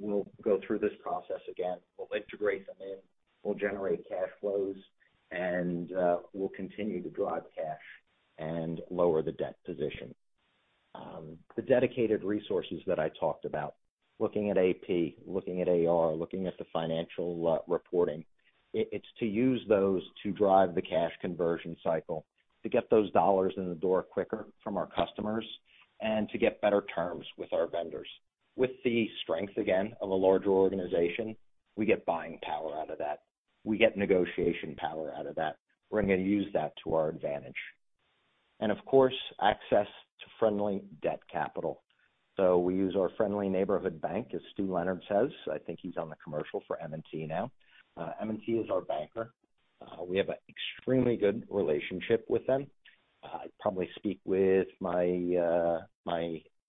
We'll go through this process again. We'll integrate them in, we'll generate cash flows, and we'll continue to drive cash and lower the debt position. The dedicated resources that I talked about, looking at AP, looking at AR, looking at the financial reporting, it's to use those to drive the cash conversion cycle to get those dollars in the door quicker from our customers and to get better terms with our vendors. With the strength again, of a larger organization, we get buying power out of that. We get negotiation power out of that. We're gonna use that to our advantage. Of course, access to friendly debt capital. We use our friendly neighborhood bank, as Stew Leonard says. I think he's on the commercial for M&T now. M&T is our banker. We have an extremely good relationship with them. I probably speak with my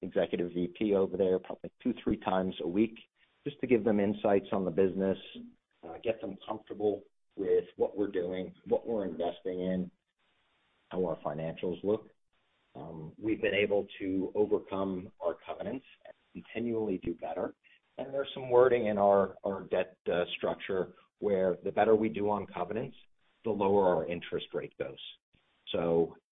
executive VP over there probably 2x, 3x a week just to give them insights on the business, get them comfortable with what we're doing, what we're investing in, how our financials look. We've been able to overcome our covenants and continually do better. There's some wording in our debt structure where the better we do on covenants, the lower our interest rate goes.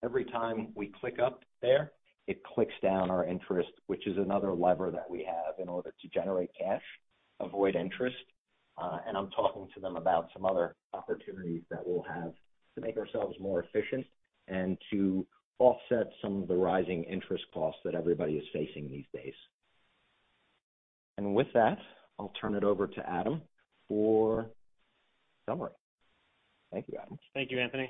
Every time we click up there, it clicks down our interest, which is another lever that we have in order to generate cash, avoid interest. I'm talking to them about some other opportunities that we'll have to make ourselves more efficient and to offset some of the rising interest costs that everybody is facing these days. With that, I'll turn it over to Adam for summary. Thank you, Adam. Thank you, Anthony.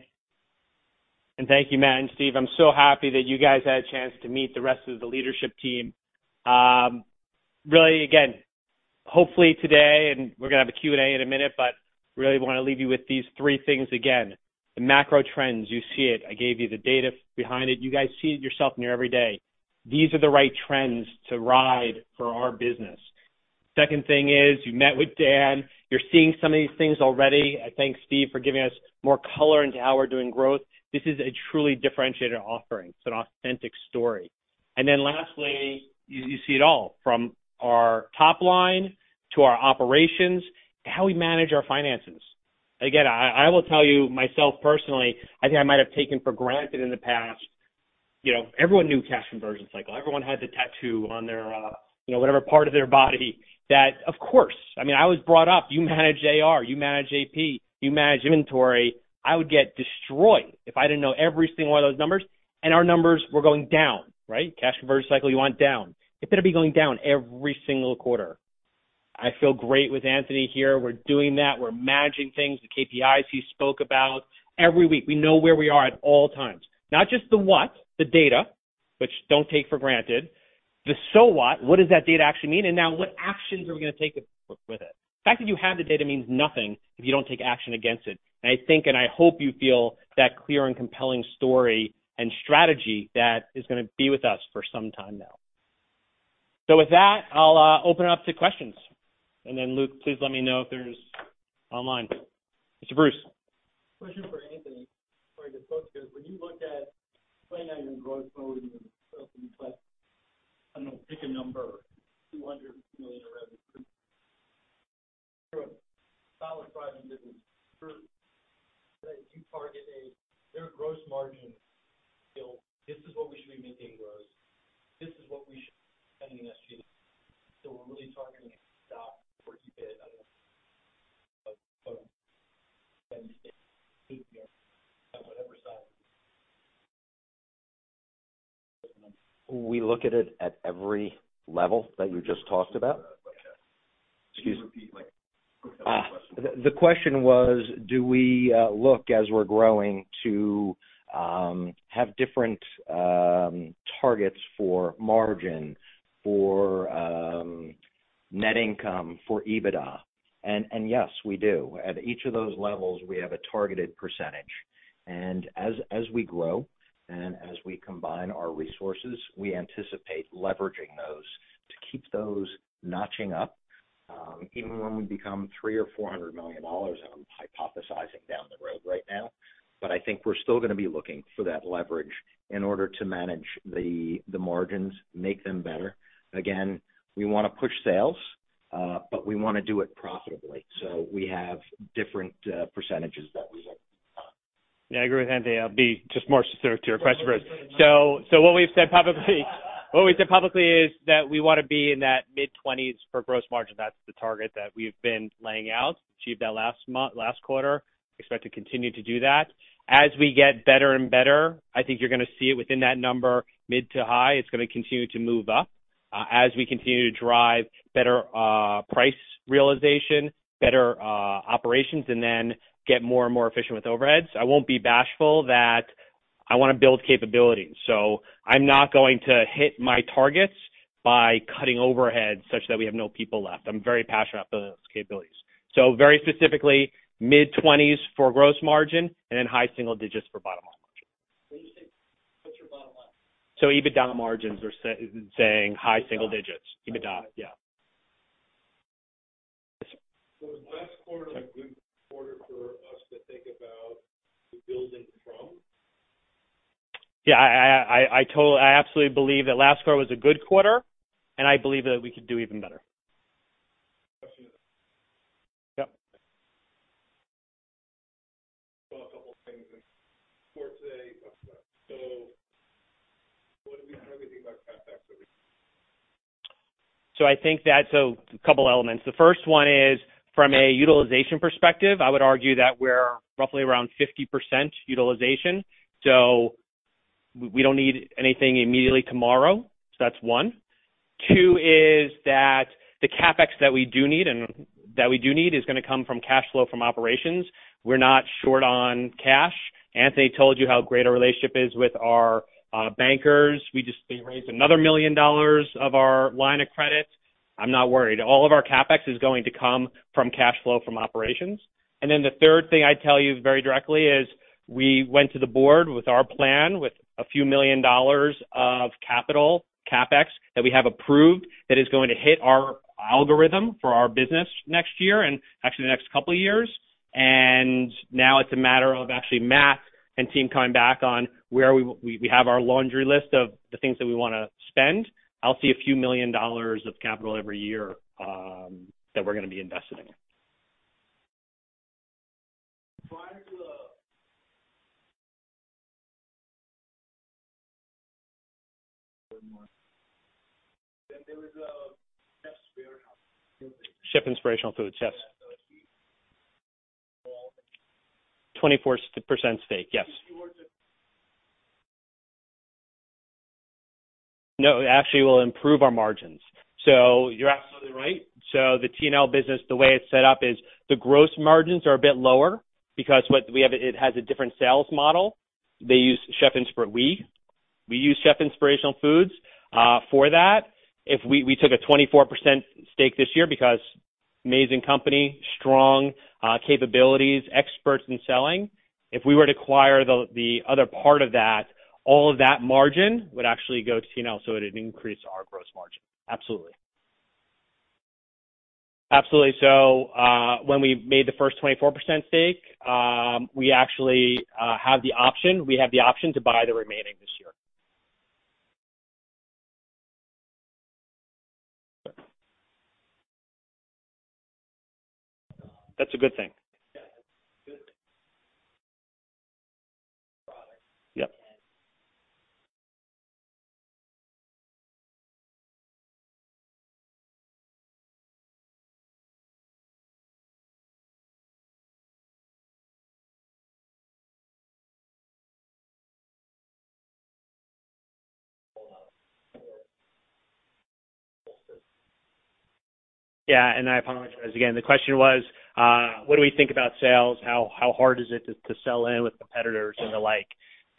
Thank you, Matt and Steve. I'm so happy that you guys had a chance to meet the rest of the leadership team. Really again, hopefully today, and we're gonna have a Q&A in a minute, but really wanna leave you with these three things again. The macro trends, you see it. I gave you the data behind it. You guys see it yourself in your every day. These are the right trends to ride for our business. Second thing is, you met with Dan. You're seeing some of these things already. I thank Steve for giving us more color into how we're doing growth. This is a truly differentiated offering. It's an authentic story. Lastly, you see it all, from our top line to our operations to how we manage our finances. I will tell you myself personally, I think I might have taken for granted in the past, you know, everyone knew cash conversion cycle. Everyone had the tattoo on their, you know, whatever part of their body that, of course. I mean, I was brought up, you manage AR, you manage AP, you manage inventory. I would get destroyed if I didn't know every single one of those numbers, and our numbers were going down, right? Cash conversion cycle, you want down. It better be going down every single quarter. I feel great with Anthony here. We're doing that. We're managing things, the KPIs he spoke about. Every week, we know where we are at all times. Not just the what, the data, which don't take for granted. The so what does that data actually mean? Now what actions are we gonna take with it? The fact that you have the data means nothing if you don't take action against it. I think, and I hope you feel that clear and compelling story and strategy that is gonna be with us for some time now. With that, I'll open up to questions. Then Luke, please let me know if there's online. Mr. Bruce. Question for Anthony. Before I just spoke to this. When you look at playing out your growth mode and your I don't know, pick a number, $200 million in revenue. You're a solid private business. Do you target Their gross margin, you know, this is what we should be making gross. This is what we should be spending this year. We're really targeting stock for EBIT. I don't know. We look at it at every level that you just talked about. Excuse me? Can you repeat, like, quickly the question? The question was, do we look as we're growing to have different targets for margin, for net income, for EBITDA? Yes, we do. At each of those levels, we have a targeted percentage. As we grow and as we combine our resources, we anticipate leveraging those to keep those notching up, even when we become $300 million or $400 million, and I'm hypothesizing down the road right now. I think we're still gonna be looking for that leverage in order to manage the margins, make them better. Again, we wanna push sales, but we wanna do it profitably. We have different percentages that we look at. Yeah, I agree with Anthony. I'll be just more specific to your question first. What we've said publicly is that we wanna be in that mid-twenties for gross margin. That's the target that we've been laying out. Achieved that last quarter. Expect to continue to do that. As we get better and better, I think you're gonna see it within that number, mid to high. It's gonna continue to move up. As we continue to drive better price realization, better operations, get more and more efficient with overheads. I won't be bashful that I wanna build capabilities. I'm not going to hit my targets by cutting overheads such that we have no people left. I'm very passionate about those capabilities. Very specifically, mid-twenties for gross margin, high single digits for bottom line margin. What did you say? What's your bottom line? EBITDA margins are saying high single digits. EBITDA. EBITDA. Yeah. was last quarter a good quarter for us to think about the building from? Yeah, I absolutely believe that last quarter was a good quarter. I believe that we could do even better. Question. Yep. A couple things for today. What do we know everything about CapEx that we need to know? I think that's a couple elements. The first 1 is from a utilization perspective, I would argue that we're roughly around 50% utilization, so we don't need anything immediately tomorrow. That's one. two is that the CapEx that we do need and that we do need is gonna come from cash flow from operations. We're not short on cash. Anthony told you how great our relationship is with our bankers. We raised another $1 million of our line of credit. I'm not worried. All of our CapEx is going to come from cash flow from operations. The third thing I'd tell you very directly is we went to the board with our plan, with a few million dollars of capital CapEx that we have approved, that is going to hit our algorithm for our business next year and actually the next couple of years. Now it's a matter of actually Matt and team coming back on where we have our laundry list of the things that we wanna spend. I'll see a few million dollars of capital every year that we're gonna be investing in. There was The Chefs' Warehouse. Chef Inspirational Foods. Yes. Yeah. 24% stake. Yes. If you were. It actually will improve our margins. You're absolutely right. The T&L business, the way it's set up is the gross margins are a bit lower because it has a different sales model. They use Chef Inspirational Foods for that. We took a 24% stake this year because amazing company, strong capabilities, experts in selling. If we were to acquire the other part of that, all of that margin would actually go to T&L. It would increase our gross margin. Absolutely. Absolutely. When we made the first 24% stake, we actually have the option to buy the remaining this year. That's a good thing. Yeah. Good. Yep. Yeah. I apologize again. The question was, what do we think about sales? How hard is it to sell in with competitors and the like?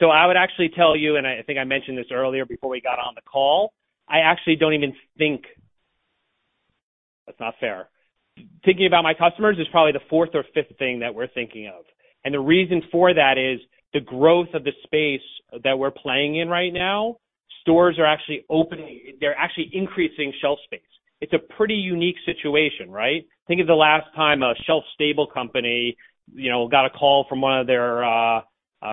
I would actually tell you, and I think I mentioned this earlier before we got on the call. I actually don't even think. That's not fair. Thinking about my customers is probably the fourth or fifth thing that we're thinking of. The reason for that is the growth of the space that we're playing in right now. Stores are actually opening. They're actually increasing shelf space. It's a pretty unique situation, right? Think of the last time a shelf stable company, you know, got a call from one of their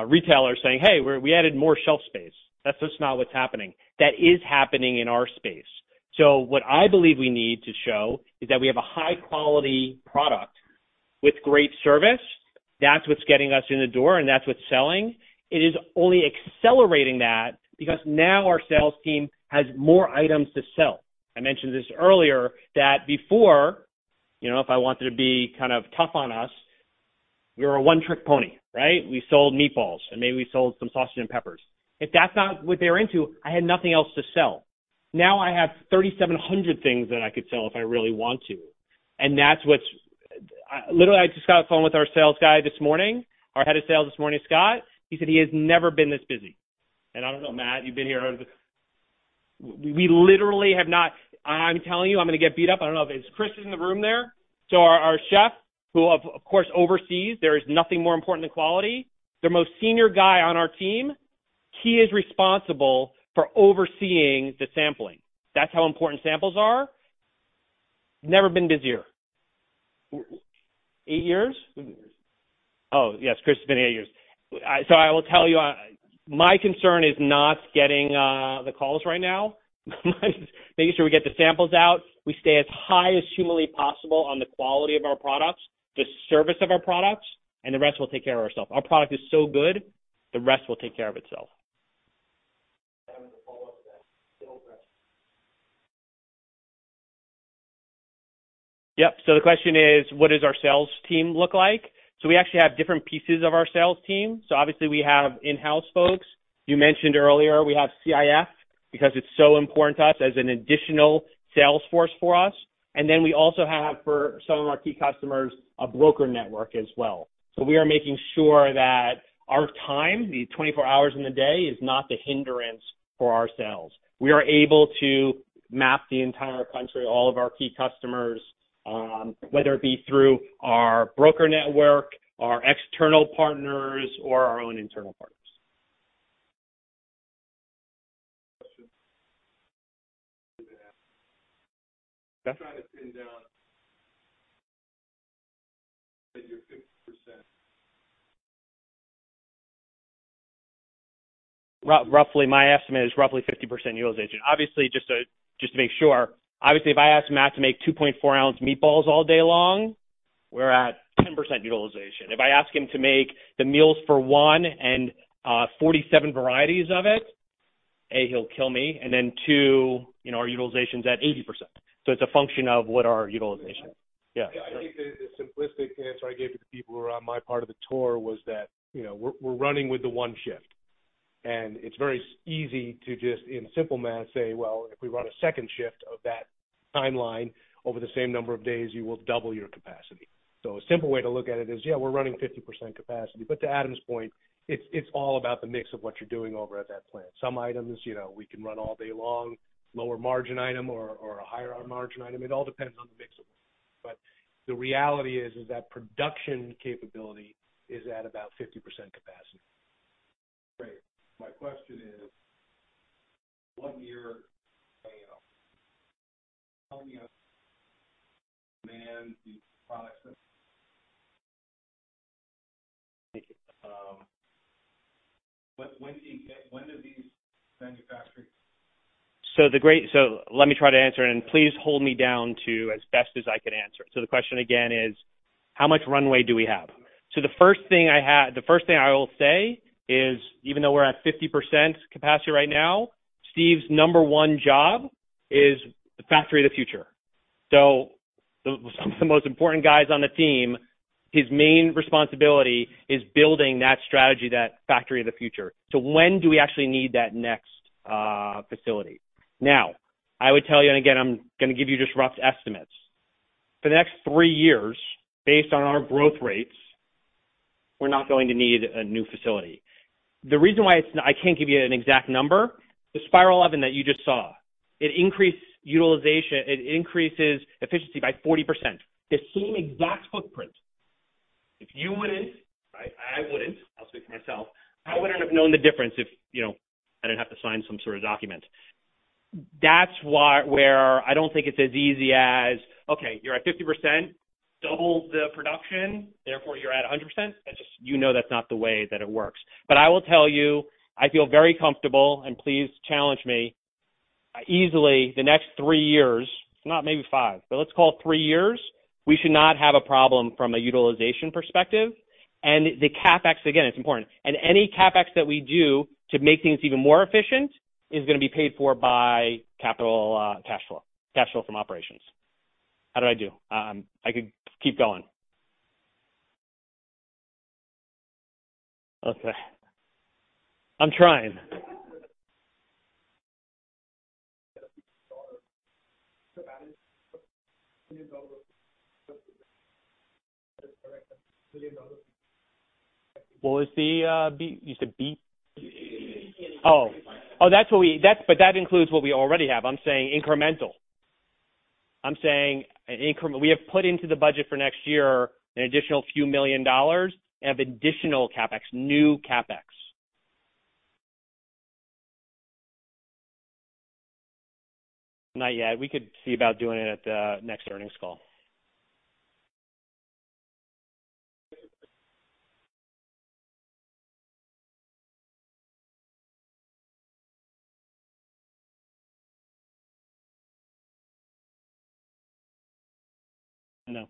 retailers saying, "Hey, we added more shelf space." That's just not what's happening. That is happening in our space. What I believe we need to show is that we have a high quality product with great service. That's what's getting us in the door and that's what's selling. It is only accelerating that because now our sales team has more items to sell. I mentioned this earlier that before, you know, if I wanted to be kind of tough on us, we were a one-trick pony, right? We sold meatballs and maybe we sold some sausage and peppers. If that's not what they were into, I had nothing else to sell. Now I have 3,700 things that I could sell if I really want to, and that's what's... literally, I just got off the phone with our sales guy this morning, our head of sales this morning, Scott. He said he has never been this busy. I don't know, Matt, you've been here. We literally have not. I'm telling you, I'm gonna get beat up. I don't know if it's Chris in the room there. Our chef, who of course, oversees, there is nothing more important than quality. The most senior guy on our team, he is responsible for overseeing the sampling. That's how important samples are. Never been busier. eight years? eight years. Oh, yes, Chris, it's been eight years. I will tell you, my concern is not getting the calls right now. Mine is making sure we get the samples out, we stay as high as humanly possible on the quality of our products, the service of our products, and the rest will take care of ourself. Our product is so good, the rest will take care of itself. I have a follow-up to that. Still fresh. Yep. The question is, what does our sales team look like? We actually have different pieces of our sales team. Obviously we have in-house folks. You mentioned earlier we have CIF because it's so important to us as an additional sales force for us. Then we also have for some of our key customers, a broker network as well. We are making sure that our time, the 24 hours in the day, is not the hindrance for our sales. We are able to map the entire country, all of our key customers, whether it be through our broker network, our external partners, or our own internal partners. Roughly, my estimate is roughly 50% utilization. Obviously, just to make sure. Obviously, if I ask Matt to make 2.4 ounce meatballs all day long, we're at 10% utilization. If I ask him to make the Meals for One and, 47 varieties of it, A, he'll kill me, and then, two, you know, our utilization is at 80%. It's a function of what our utilization. Yeah. I think the simplistic answer I gave to the people who are on my part of the tour was that, you know, we're running with the one shift, and it's very easy to just in simple math, say, well, if we run a second shift of that timeline over the same number of days, you will double your capacity. A simple way to look at it is, yeah, we're running 50% capacity. To Adam's point, it's all about the mix of what you're doing over at that plant. Some items, you know, we can run all day long, lower margin item or a higher margin item. It all depends on the mix. The reality is that production capability is at about 50% capacity. Great. My question is, what year, you know, how many demand the products that. When do these manufacture? Let me try to answer and please hold me down to as best as I can answer. The question again is how much runway do we have? The first thing I will say is, even though we're at 50% capacity right now, Steve's number one job is the factory of the future. The most important guys on the team, his main responsibility is building that strategy, that factory of the future. When do we actually need that next facility? I would tell you, and again, I'm gonna give you just rough estimates. For the next three years, based on our growth rates, we're not going to need a new facility. The reason why I can't give you an exact number, the spiral oven that you just saw, it increased utilization. It increases efficiency by 40%. The same exact footprint. If you wouldn't, I wouldn't. I'll speak for myself. I wouldn't have known the difference if, you know, I didn't have to sign some sort of document. That's where I don't think it's as easy as, okay, you're at 50%, double the production, therefore you're at 100%. That's just, you know that's not the way that it works. I will tell you, I feel very comfortable and please challenge me, easily the next three years, if not maybe five, but let's call it three years. We should not have a problem from a utilization perspective. The CapEx, again, it's important. Any CapEx that we do to make things even more efficient is gonna be paid for by capital cash flow. Cash flow from operations. How did I do? I could keep going. Okay. I'm trying. Well, it's the, you said B? B. Oh. That's what we That's That includes what we already have. I'm saying incremental. I'm saying an increment. We have put into the budget for next year an additional few million dollars of additional CapEx, new CapEx. Not yet. We could see about doing it at the next earnings call. I know.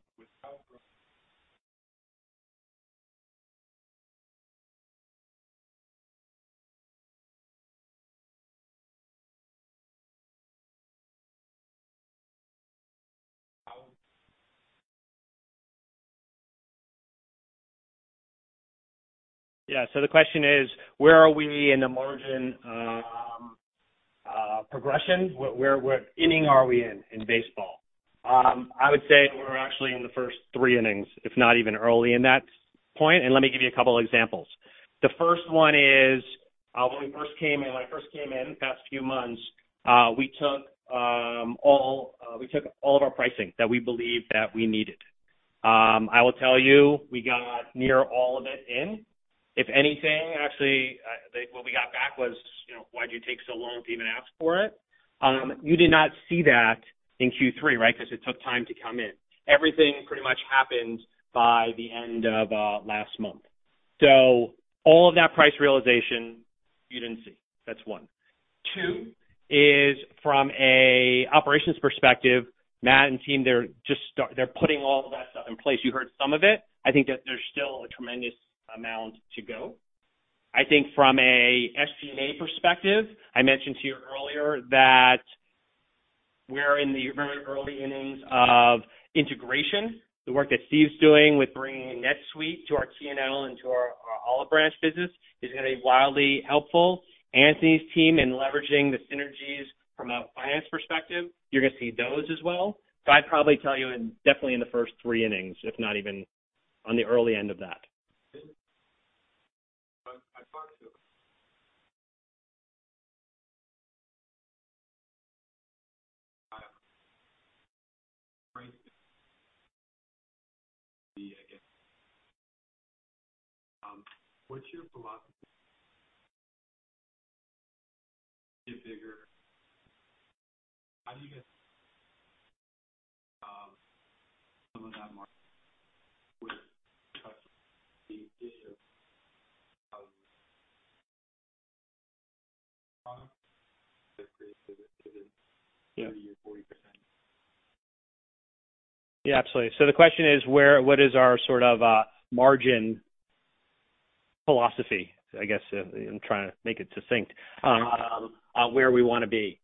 Yeah. The question is where are we in the margin progression? Where, what inning are we in baseball? I would say we're actually in the first three innings, if not even early in that point. Let me give you a couple examples. The first one is, when we first came in, when I first came in the past few months, we took all of our pricing that we believed that we needed. I will tell you, we got near all of it in. If anything, actually, what we got back was, you know, "Why'd you take so long to even ask for it?" You did not see that in Q3, right? Because it took time to come in. Everything pretty much happened by the end of last month. All of that price realization you didn't see. That's one. Two, is from a operations perspective, Matt and team, they're just putting all of that stuff in place. You heard some of it. I think that there's still a tremendous amount to go. I think from a SG&A perspective, I mentioned to you earlier that we're in the very early innings of integration. The work that Steve's doing with bringing NetSuite to our T&L and to our Olive Branch business is gonna be wildly helpful. Anthony's team in leveraging the synergies from a finance perspective, you're going to see those as well. I'd probably tell you in definitely in the first three innings, if not even on the early end of that. I talked to him. What's your philosophy? Get bigger. How do you guys? Some of that margin would touch the issue of product that creates the 30% or 40%. Yeah, absolutely. The question is what is our sort of margin philosophy? I guess I'm trying to make it succinct on where we wanna be.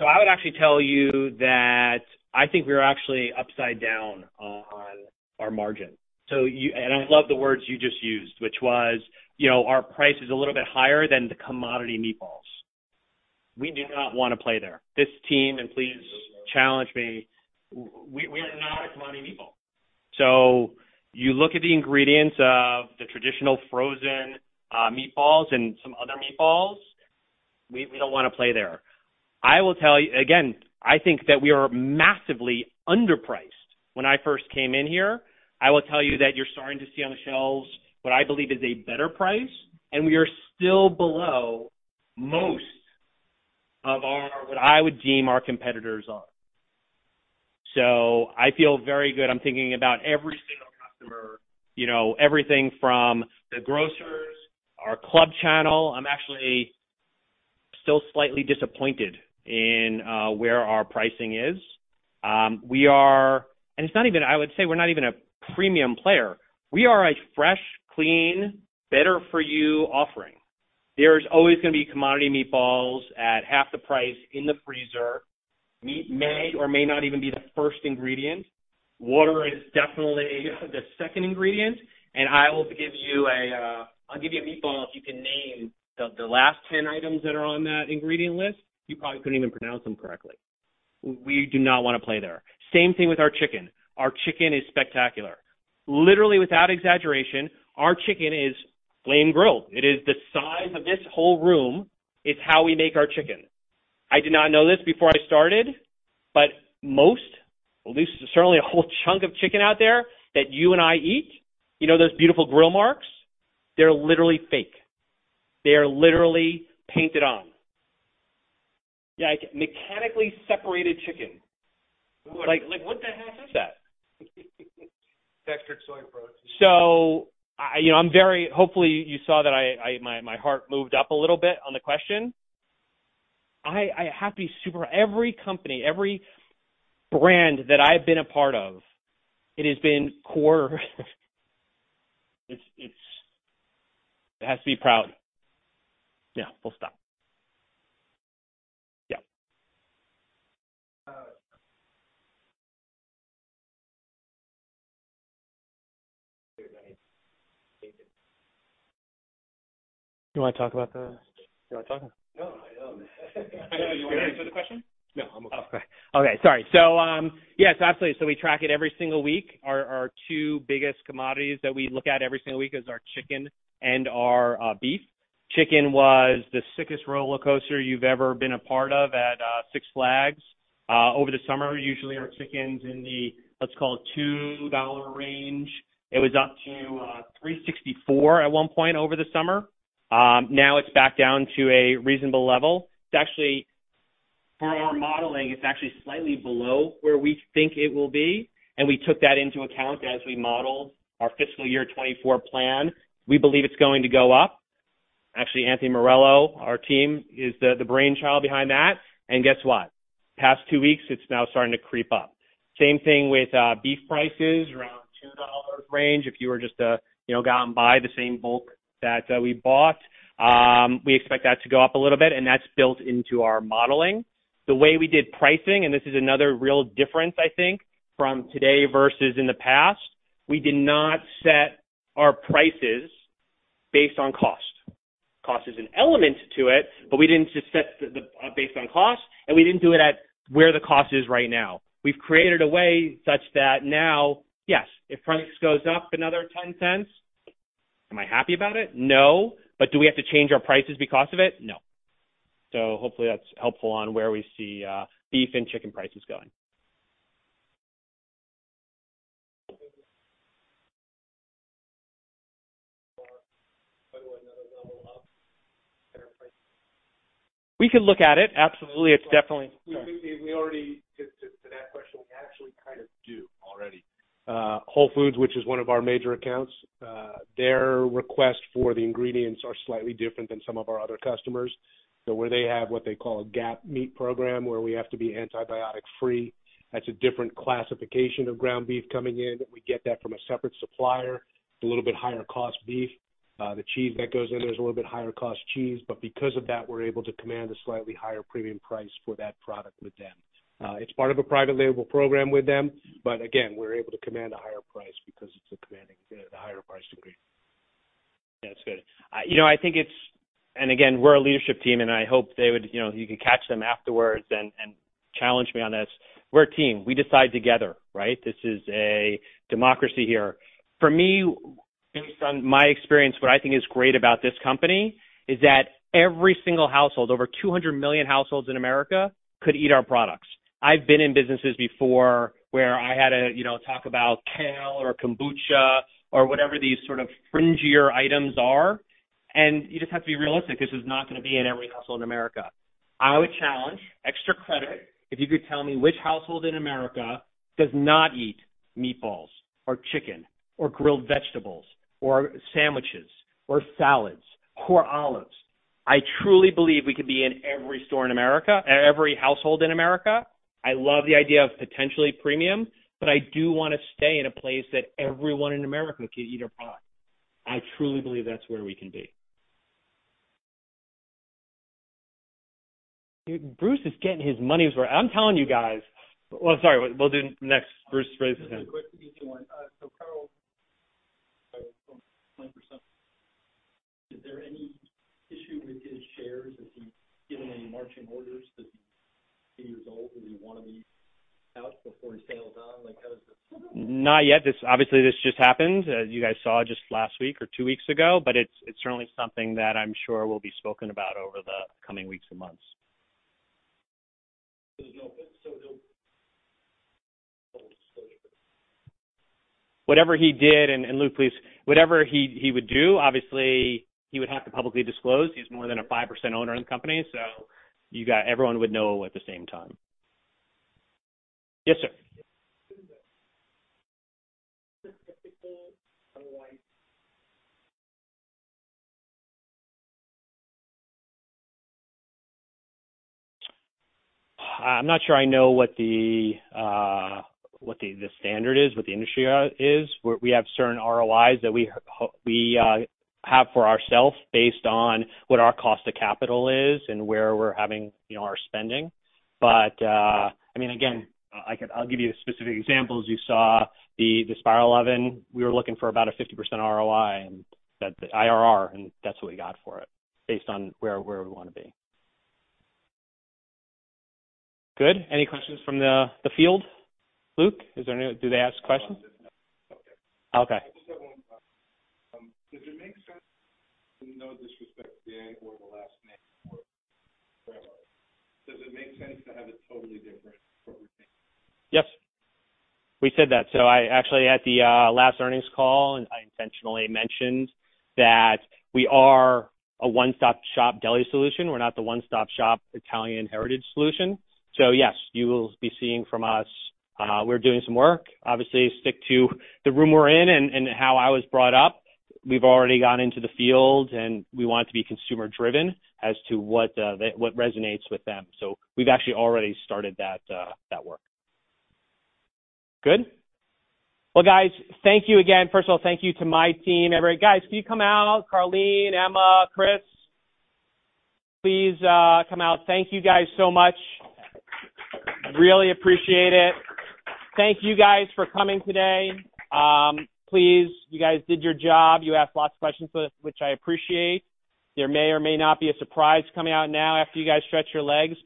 I would actually tell you that I think we are actually upside down on our margin. And I love the words you just used, which was, you know, our price is a little bit higher than the commodity meatballs. We do not wanna play there. This team, and please challenge me, we are not a commodity meatball. You look at the ingredients of the traditional frozen meatballs and some other meatballs. We don't wanna play there. I will tell you again, I think that we are massively underpriced when I first came in here. I will tell you that you're starting to see on the shelves what I believe is a better price. We are still below most of our, what I would deem our competitors are. I feel very good. I'm thinking about every single customer. You know, everything from the grocers, our club channel. I'm actually still slightly disappointed in where our pricing is. I would say we're not even a premium player. We are a fresh, clean, better for you offering. There's always gonna be commodity meatballs at half the price in the freezer. Meat may or may not even be the first ingredient. Water is definitely the second ingredient. I will give you a, I'll give you a meatball if you can name the last 10 items that are on that ingredient list. You probably couldn't even pronounce them correctly. We do not wanna play there. Same thing with our chicken. Our chicken is spectacular. Literally, without exaggeration, our chicken is flame-grilled. It is the size of this whole room, is how we make our chicken. I did not know this before I started, but most, at least certainly a whole chunk of chicken out there that you and I eat, you know those beautiful grill marks, they're literally fake. They are literally painted on. Yeah, mechanically separated chicken. Like, what the hell is that? Textured soy protein. I, you know, I'm very. Hopefully you saw that my heart moved up a little bit on the question. I have to be super. Every company, every brand that I've been a part of, it has been core. It has to be proud. Yeah, we'll stop. Yeah. Uh. Do you wanna talk? No, I don't. I know. You wanna answer the question? No, I'm okay. Okay. Okay. Sorry. Yes, absolutely. We track it every single week. Our two biggest commodities that we look at every single week is our chicken and our beef. Chicken was the sickest rollercoaster you've ever been a part of at Six Flags. Over the summer, usually our chicken's in the, let's call it $2 range. It was up to $3.64 at one point over the summer. Now it's back down to a reasonable level. It's actually, for our modeling, it's actually slightly below where we think it will be, and we took that into account as we modeled our fiscal year 2024 plan. We believe it's going to go up. Actually, Anthony Morello, our team, is the brainchild behind that. Guess what? Past two weeks, it's now starting to creep up. Same thing with beef prices around $2 range. If you were just to, you know, go out and buy the same bulk that we bought, we expect that to go up a little bit. That's built into our modeling. The way we did pricing, this is another real difference, I think, from today versus in the past, we did not set our prices based on cost. Cost is an element to it, we didn't just set the based on cost, we didn't do it at where the cost is right now. We've created a way such that now, yes, if price goes up another $0.10, am I happy about it? No. Do we have to change our prices because of it? No. Hopefully that's helpful on where we see beef and chicken prices going. By the way, another level up. We can look at it, absolutely. It's definitely. Sorry. We already. To that question, we actually kind of do already. Whole Foods, which is one of our major accounts, their request for the ingredients are slightly different than some of our other customers. Where they have what they call a G.A.P. meat program, where we have to be antibiotic free, that's a different classification of ground beef coming in. We get that from a separate supplier. It's a little bit higher cost beef. The cheese that goes in, there's a little bit higher cost cheese. Because of that, we're able to command a slightly higher premium price for that product with them. It's part of a private label program with them. Again, we're able to command a higher price because it's a commanding, you know, the higher price degree. That's good. You know, I think it's. Again, we're a leadership team, and I hope they would, you know, you could catch them afterwards and challenge me on this. We're a team. We decide together, right? This is a democracy here. For me, based on my experience, what I think is great about this company is that every single household, over 200 million households in America could eat our products. I've been in businesses before where I had to, you know, talk about kale or kombucha or whatever these sort of fringier items are. You just have to be realistic. This is not gonna be in every household in America. I would challenge, extra credit, if you could tell me which household in America does not eat meatballs or chicken or grilled vegetables or sandwiches or salads or olives. I truly believe we could be in every store in America, every household in America. I love the idea of potentially premium, but I do wanna stay in a place that everyone in America could eat our product. I truly believe that's where we can be. Bruce is getting his money's worth. I'm telling you guys. Well, sorry. We'll do next. Bruce, raise your hand. Quick, easy one. Carl, 20%. Is there any issue with his shares? Has he given any marching orders? Does he, 10 years old? Does he wanna be out before he sails on? Like, how does? Not yet. Obviously, this just happened, as you guys saw just last week or two weeks ago. It's certainly something that I'm sure will be spoken about over the coming weeks and months. he'll disclose it. Whatever he did, Luke, please, whatever he would do, obviously, he would have to publicly disclose. He's more than a 5% owner in the company, everyone would know at the same time. Yes, sir. Is there a typical ROI? I'm not sure I know what the, what the standard is, what the industry is. We have certain ROIs that we have for ourselves based on what our cost of capital is and where we're having, you know, our spending. I mean, again, I'll give you specific examples. You saw the spiral oven. We were looking for about a 50% ROI and that the IRR, and that's what we got for it based on where we wanna be. Good. Any questions from the field? Luke, did they ask questions? Okay. Okay. I just have one. No disrespect to Dan or the last name or whoever, does it make sense to have a totally different corporate name? Yes. We said that. I actually, at the last earnings call, and I intentionally mentioned that we are a one-stop-shop deli solution. We're not the one-stop-shop Italian heritage solution. Yes, you'll be seeing from us, we're doing some work, obviously stick to the room we're in and how I was brought up. We've already gone into the field, and we want to be consumer driven as to what resonates with them. We've actually already started that work. Good. Guys, thank you again. First of all, thank you to my team. Guys, can you come out? Carlin, Emma, Chris, please come out. Thank you guys so much. Really appreciate it. Thank you guys for coming today. Please, you guys did your job. You asked lots of questions, which I appreciate. There may or may not be a surprise coming out now after you guys stretch your legs.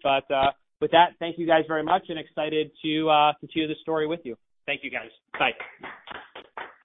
With that, thank you guys very much and excited to continue this story with you. Thank you, guys. Bye.